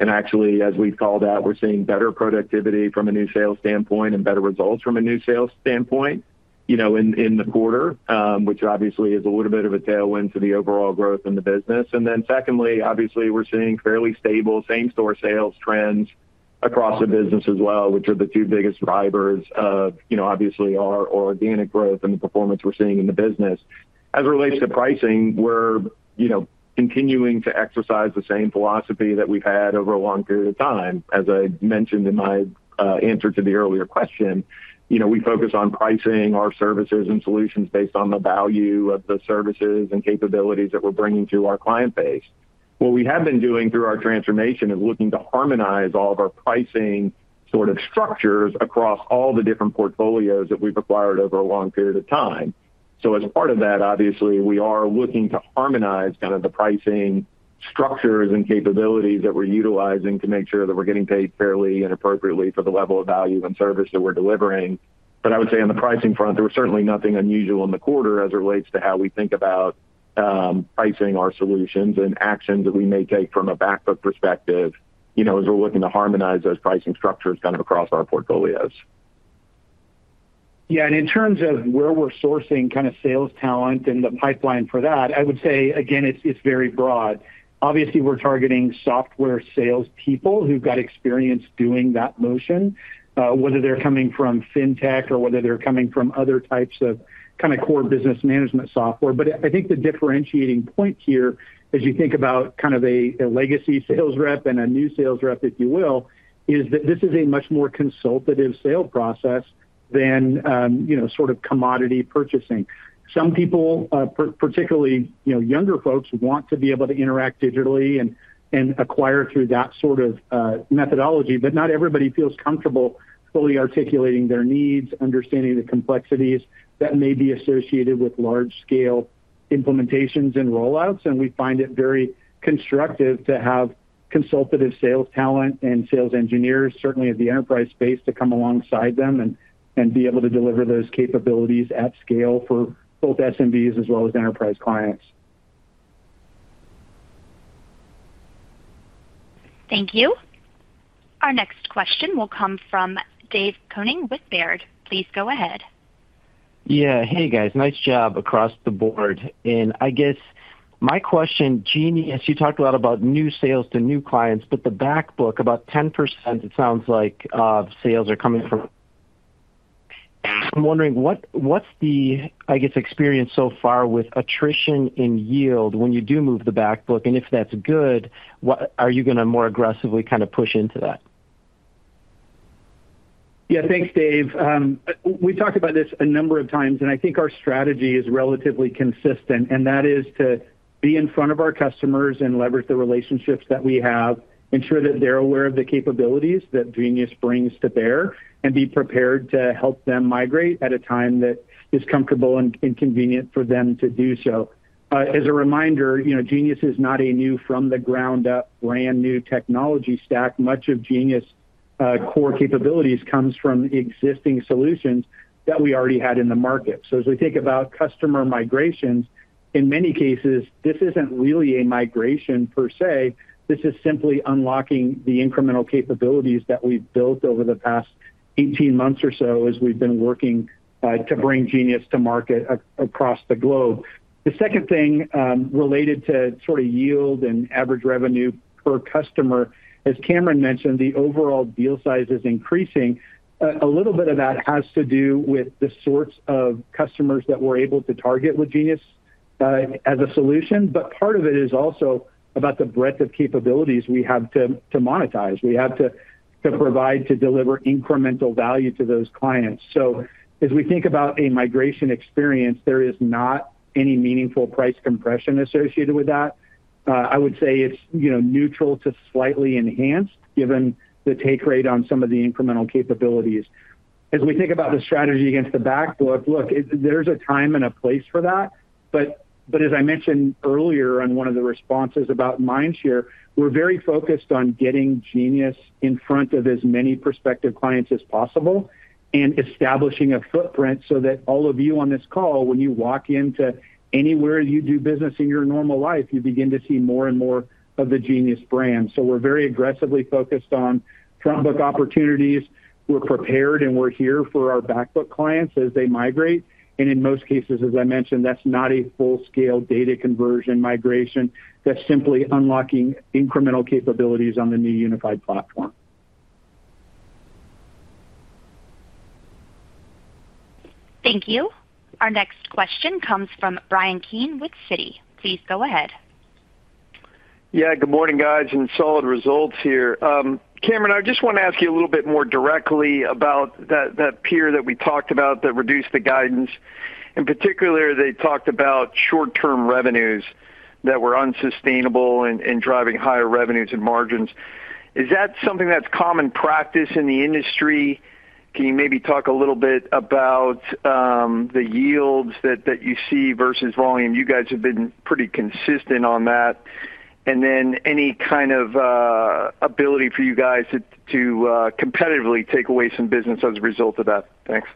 Actually, as we've called out, we're seeing better productivity from a new sales standpoint and better results from a new sales standpoint in the quarter, which obviously is a little bit of a tailwind to the overall growth in the business. Secondly, obviously, we're seeing fairly stable same-store sales trends across the business as well, which are the two biggest drivers of obviously our organic growth and the performance we're seeing in the business. As it relates to pricing, we're continuing to exercise the same philosophy that we've had over a long period of time. As I mentioned in my answer to the earlier question, we focus on pricing our services and solutions based on the value of the services and capabilities that we're bringing to our client base. What we have been doing through our transformation is looking to harmonize all of our pricing sort of structures across all the different portfolios that we've acquired over a long period of time. As part of that, obviously, we are looking to harmonize kind of the pricing structures and capabilities that we're utilizing to make sure that we're getting paid fairly and appropriately for the level of value and service that we're delivering. I would say on the pricing front, there was certainly nothing unusual in the quarter as it relates to how we think about pricing our solutions and actions that we may take from a backbook perspective as we're looking to harmonize those pricing structures kind of across our portfolios. Yeah, and in terms of where we're sourcing kind of sales talent and the pipeline for that, I would say, again, it's very broad. Obviously, we're targeting software salespeople who've got experience doing that motion, whether they're coming from Fintech or whether they're coming from other types of kind of core business management software. I think the differentiating point here, as you think about kind of a legacy sales rep and a new sales rep, if you will, is that this is a much more consultative sale process than sort of commodity purchasing. Some people. Particularly younger folks want to be able to interact digitally and acquire through that sort of methodology, but not everybody feels comfortable fully articulating their needs, understanding the complexities that may be associated with large-scale implementations and rollouts. We find it very constructive to have consultative sales talent and sales engineers, certainly at the enterprise space, to come alongside them and be able to deliver those capabilities at scale for both SMBs as well as enterprise clients. Thank you. Our next question will come from Dave Koning with Baird. Please go ahead. Yeah, hey, guys. Nice job across the board. I guess my question, Genius, you talked a lot about new sales to new clients, but the backbook, about 10%, it sounds like, of sales are coming from. I'm wondering, what's the, I guess, experience so far with attrition in yield when you do move the backbook? If that's good, are you going to more aggressively kind of push into that? Yeah, thanks, Dave. We talked about this a number of times, and I think our strategy is relatively consistent, and that is to be in front of our customers and leverage the relationships that we have, ensure that they're aware of the capabilities that Genius brings to bear, and be prepared to help them migrate at a time that is comfortable and convenient for them to do so. As a reminder, Genius is not a new from-the-ground-up brand new technology stack. Much of Genius' core capabilities come from existing solutions that we already had in the market. As we think about customer migrations, in many cases, this isn't really a migration per se. This is simply unlocking the incremental capabilities that we've built over the past 18 months or so as we've been working to bring Genius to market across the globe. The second thing related to sort of yield and average revenue per customer, as Cameron mentioned, the overall deal size is increasing. A little bit of that has to do with the sorts of customers that we're able to target with Genius as a solution, but part of it is also about the breadth of capabilities we have to monetize. We have to provide to deliver incremental value to those clients. As we think about a migration experience, there is not any meaningful price compression associated with that. I would say it's neutral to slightly enhanced given the take rate on some of the incremental capabilities. As we think about the strategy against the backbook, look, there's a time and a place for that. As I mentioned earlier on one of the responses about mind share, we're very focused on getting Genius in front of as many prospective clients as possible and establishing a footprint so that all of you on this call, when you walk into anywhere you do business in your normal life, you begin to see more and more of the Genius brand. We're very aggressively focused on front-book opportunities. We're prepared, and we're here for our backbook clients as they migrate. In most cases, as I mentioned, that's not a full-scale data conversion migration. That's simply unlocking incremental capabilities on the new unified platform. Thank you. Our next question comes from Bryan Keane with Citi. Please go ahead. Yeah, good morning, guys, and solid results here. Cameron, I just want to ask you a little bit more directly about that peer that we talked about that reduced the guidance. In particular, they talked about short-term revenues that were unsustainable and driving higher revenues and margins. Is that something that's common practice in the industry? Can you maybe talk a little bit about the yields that you see versus volume? You guys have been pretty consistent on that. And then any kind of ability for you guys to competitively take away some business as a result of that? Thanks.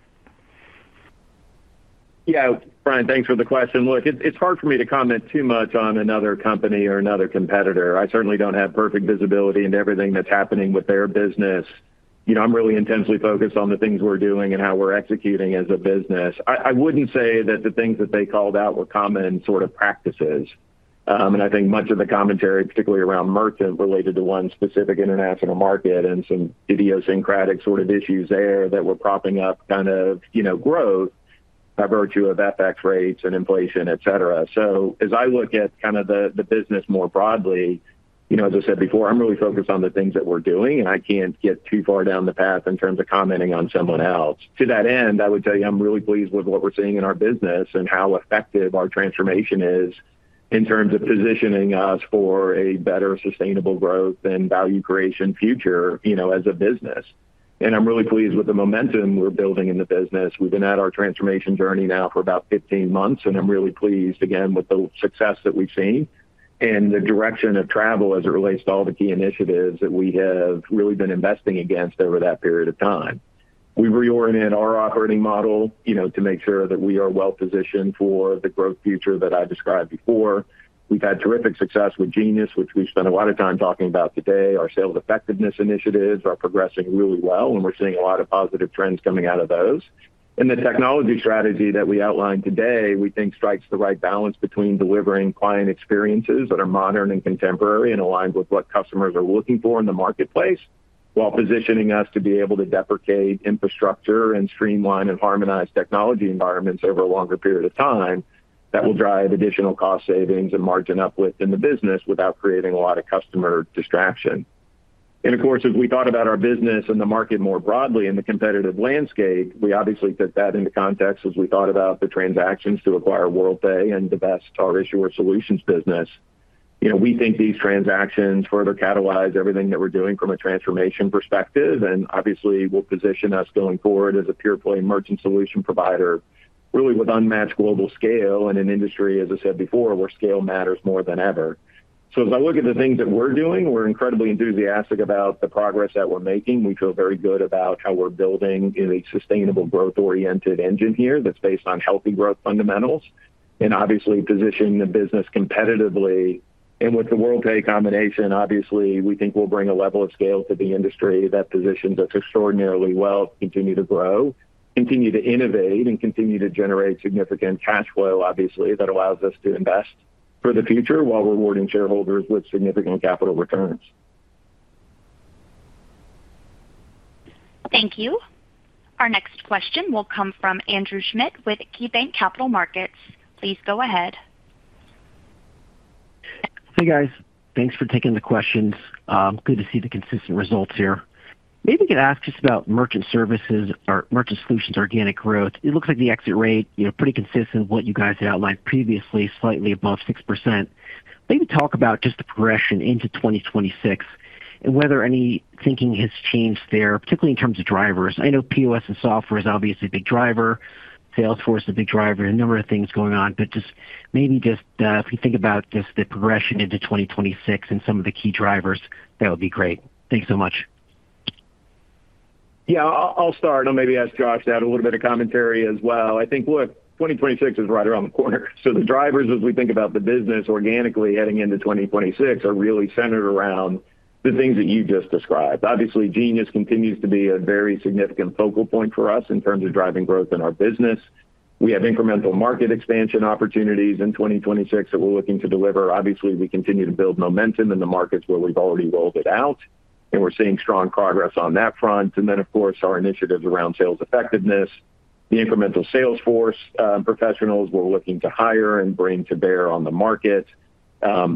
Yeah, Bryan, thanks for the question. Look, it's hard for me to comment too much on another company or another competitor. I certainly don't have perfect visibility into everything that's happening with their business. I'm really intensely focused on the things we're doing and how we're executing as a business. I wouldn't say that the things that they called out were common sort of practices. I think much of the commentary, particularly around merchant, related to one specific international market and some idiosyncratic sort of issues there that were propping up kind of growth by virtue of FX rates and inflation, etc. As I look at the business more broadly, as I said before, I'm really focused on the things that we're doing, and I can't get too far down the path in terms of commenting on someone else. To that end, I would tell you I'm really pleased with what we're seeing in our business and how effective our transformation is in terms of positioning us for a better sustainable growth and value creation future as a business. I'm really pleased with the momentum we're building in the business. We've been at our transformation journey now for about 15 months, and I'm really pleased, again, with the success that we've seen and the direction of travel as it relates to all the key initiatives that we have really been investing against over that period of time. We reoriented our operating model to make sure that we are well positioned for the growth future that I described before. We've had terrific success with Genius, which we spent a lot of time talking about today. Our sales effectiveness initiatives are progressing really well, and we're seeing a lot of positive trends coming out of those. The technology strategy that we outlined today, we think, strikes the right balance between delivering client experiences that are modern and contemporary and aligned with what customers are looking for in the marketplace while positioning us to be able to deprecate infrastructure and streamline and harmonize technology environments over a longer period of time that will drive additional cost savings and margin uplift in the business without creating a lot of customer distraction. Of course, as we thought about our business and the market more broadly in the competitive landscape, we obviously took that into context as we thought about the transactions to acquire Worldpay and the best our issuer solutions business. We think these transactions further catalyze everything that we're doing from a transformation perspective, and obviously, will position us going forward as a pure-play merchant solution provider, really with unmatched global scale in an industry, as I said before, where scale matters more than ever. As I look at the things that we're doing, we're incredibly enthusiastic about the progress that we're making. We feel very good about how we're building a sustainable growth-oriented engine here that's based on healthy growth fundamentals and obviously positioning the business competitively. With the Worldpay combination, obviously, we think we'll bring a level of scale to the industry that positions us extraordinarily well to continue to grow, continue to innovate, and continue to generate significant cash flow, obviously, that allows us to invest for the future while rewarding shareholders with significant capital returns. Thank you. Our next question will come from Andrew Schmidt with KeyBanc Capital Markets. Please go ahead. Hey, guys. Thanks for taking the questions. Good to see the consistent results here. Maybe you could ask just about merchant services or merchant solutions organic growth. It looks like the exit rate is pretty consistent with what you guys had outlined previously, slightly above 6%. Maybe talk about just the progression into 2026 and whether any thinking has changed there, particularly in terms of drivers. I know POS and software is obviously a big driver. Salesforce is a big driver. A number of things going on. Maybe just if you think about just the progression into 2026 and some of the key drivers, that would be great. Thanks so much. Yeah, I'll start. I'll maybe ask Josh to add a little bit of commentary as well. I think, look, 2026 is right around the corner. The drivers, as we think about the business organically heading into 2026, are really centered around the things that you just described. Obviously, Genius continues to be a very significant focal point for us in terms of driving growth in our business. We have incremental market expansion opportunities in 2026 that we're looking to deliver. Obviously, we continue to build momentum in the markets where we've already rolled it out, and we're seeing strong progress on that front. Of course, our initiatives around sales effectiveness, the incremental salesforce professionals we're looking to hire and bring to bear on the market,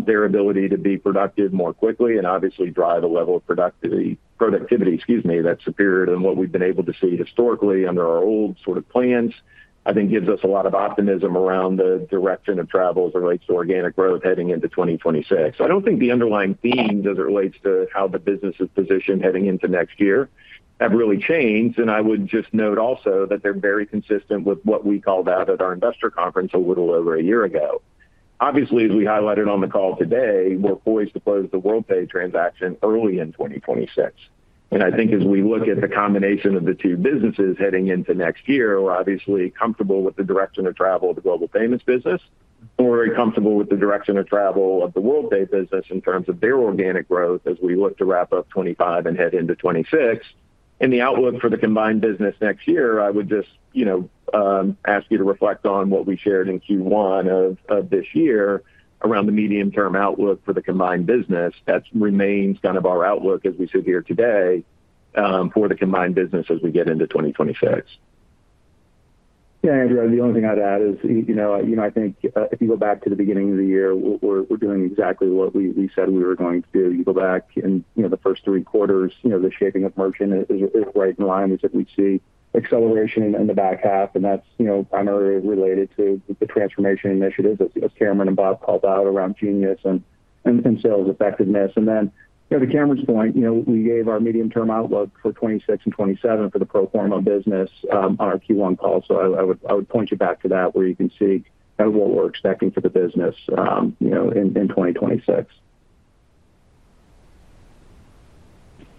their ability to be productive more quickly and obviously drive a level of productivity, excuse me, that's superior to what we've been able to see historically under our old sort of plans, I think, gives us a lot of optimism around the direction of travel as it relates to organic growth heading into 2026. I don't think the underlying theme as it relates to how the business is positioned heading into next year has really changed. I would just note also that they're very consistent with what we called out at our investor conference a little over a year ago. Obviously, as we highlighted on the call today, we're poised to close the Worldpay transaction early in 2026. I think as we look at the combination of the two businesses heading into next year, we're obviously comfortable with the direction of travel of the Global Payments business. We're very comfortable with the direction of travel of the Worldpay business in terms of their organic growth as we look to wrap up 2025 and head into 2026. The outlook for the combined business next year, I would just ask you to reflect on what we shared in Q1 of this year around the medium-term outlook for the combined business. That remains kind of our outlook as we sit here today for the combined business as we get into 2026. Yeah, Andrew, the only thing I'd add is I think if you go back to the beginning of the year, we're doing exactly what we said we were going to do. You go back in the first three quarters, the shaping of merchant is right in line with what we see acceleration in the back half. That's primarily related to the transformation initiatives as Cameron and Bob called out around Genius and sales effectiveness. To Cameron's point, we gave our medium-term outlook for 2026 and 2027 for the pro forma business on our Q1 call. I would point you back to that where you can see what we're expecting for the business in 2026.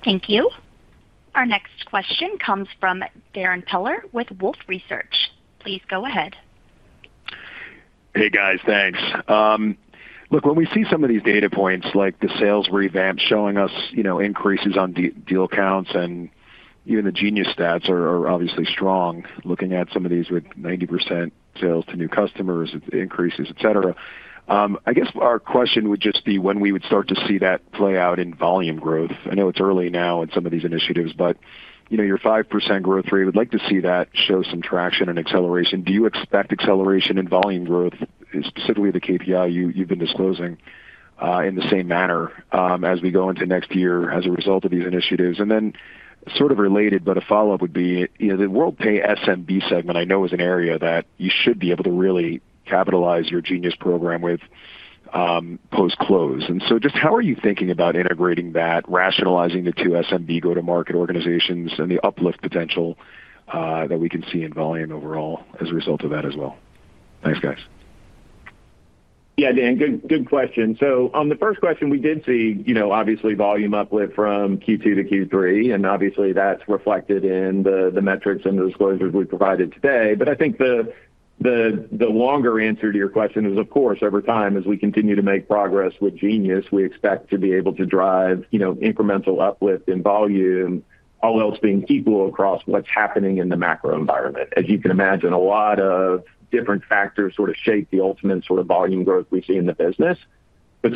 Thank you. Our next question comes from Darrin Peller with Wolfe Research. Please go ahead. Hey, guys. Thanks. Look, when we see some of these data points like the sales revamp showing us increases on deal counts and even the Genius stats are obviously strong, looking at some of these with 90% sales to new customers, increases, etc., I guess our question would just be when we would start to see that play out in volume growth. I know it's early now in some of these initiatives, but your 5% growth rate, we'd like to see that show some traction and acceleration. Do you expect acceleration in volume growth, specifically the KPI you've been disclosing, in the same manner as we go into next year as a result of these initiatives? And then sort of related, but a follow-up would be the Worldpay SMB segment, I know is an area that you should be able to really capitalize your Genius program with post-close. And so just how are you thinking about integrating that, rationalizing the two SMB go-to-market organizations and the uplift potential that we can see in volume overall as a result of that as well? Thanks, guys. Yeah, Darrin, good question. On the first question, we did see obviously volume uplift from Q2 to Q3, and obviously that's reflected in the metrics and the disclosures we provided today. I think the longer answer to your question is, of course, over time, as we continue to make progress with Genius, we expect to be able to drive incremental uplift in volume, all else being equal across what's happening in the macro environment. As you can imagine, a lot of different factors sort of shape the ultimate sort of volume growth we see in the business.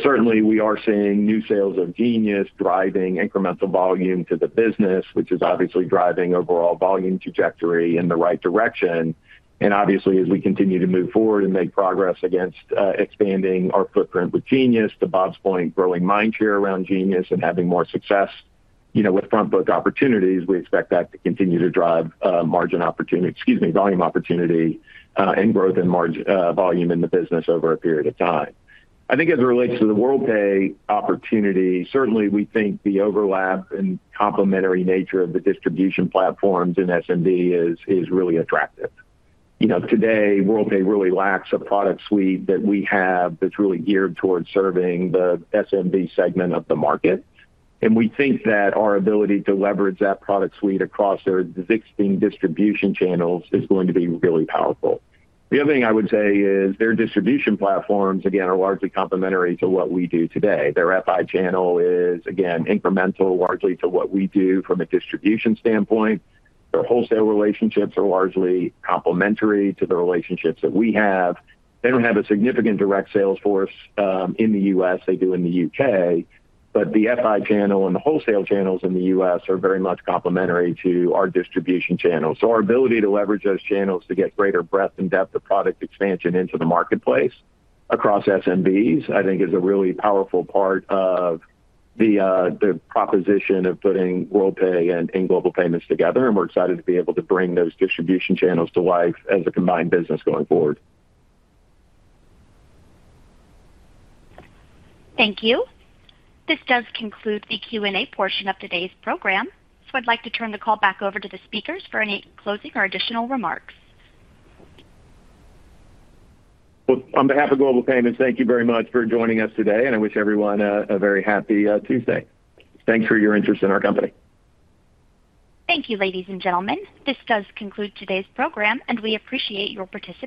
Certainly, we are seeing new sales of Genius driving incremental volume to the business, which is obviously driving overall volume trajectory in the right direction. Obviously, as we continue to move forward and make progress against expanding our footprint with Genius, to Bob's point, growing mind share around Genius and having more success with front-book opportunities, we expect that to continue to drive margin opportunity, excuse me, volume opportunity and growth in volume in the business over a period of time. I think as it relates to the Worldpay opportunity, certainly we think the overlap and complementary nature of the distribution platforms in SMB is really attractive. Today, Worldpay really lacks a product suite that we have that's really geared towards serving the SMB segment of the market. We think that our ability to leverage that product suite across their existing distribution channels is going to be really powerful. The other thing I would say is their distribution platforms, again, are largely complementary to what we do today. Their FI channel is, again, incremental largely to what we do from a distribution standpoint. Their wholesale relationships are largely complementary to the relationships that we have. They do not have a significant direct sales force in the U.S. They do in the UK, but the FI channel and the wholesale channels in the U.S. are very much complementary to our distribution channels. Our ability to leverage those channels to get greater breadth and depth of product expansion into the marketplace across SMBs, I think, is a really powerful part of the proposition of putting Worldpay and Global Payments together. We are excited to be able to bring those distribution channels to life as a combined business going forward. Thank you. This does conclude the Q&A portion of today's program. I'd like to turn the call back over to the speakers for any closing or additional remarks. On behalf of Global Payments, thank you very much for joining us today, and I wish everyone a very happy Tuesday. Thanks for your interest in our company. Thank you, ladies and gentlemen. This does conclude today's program, and we appreciate your participation.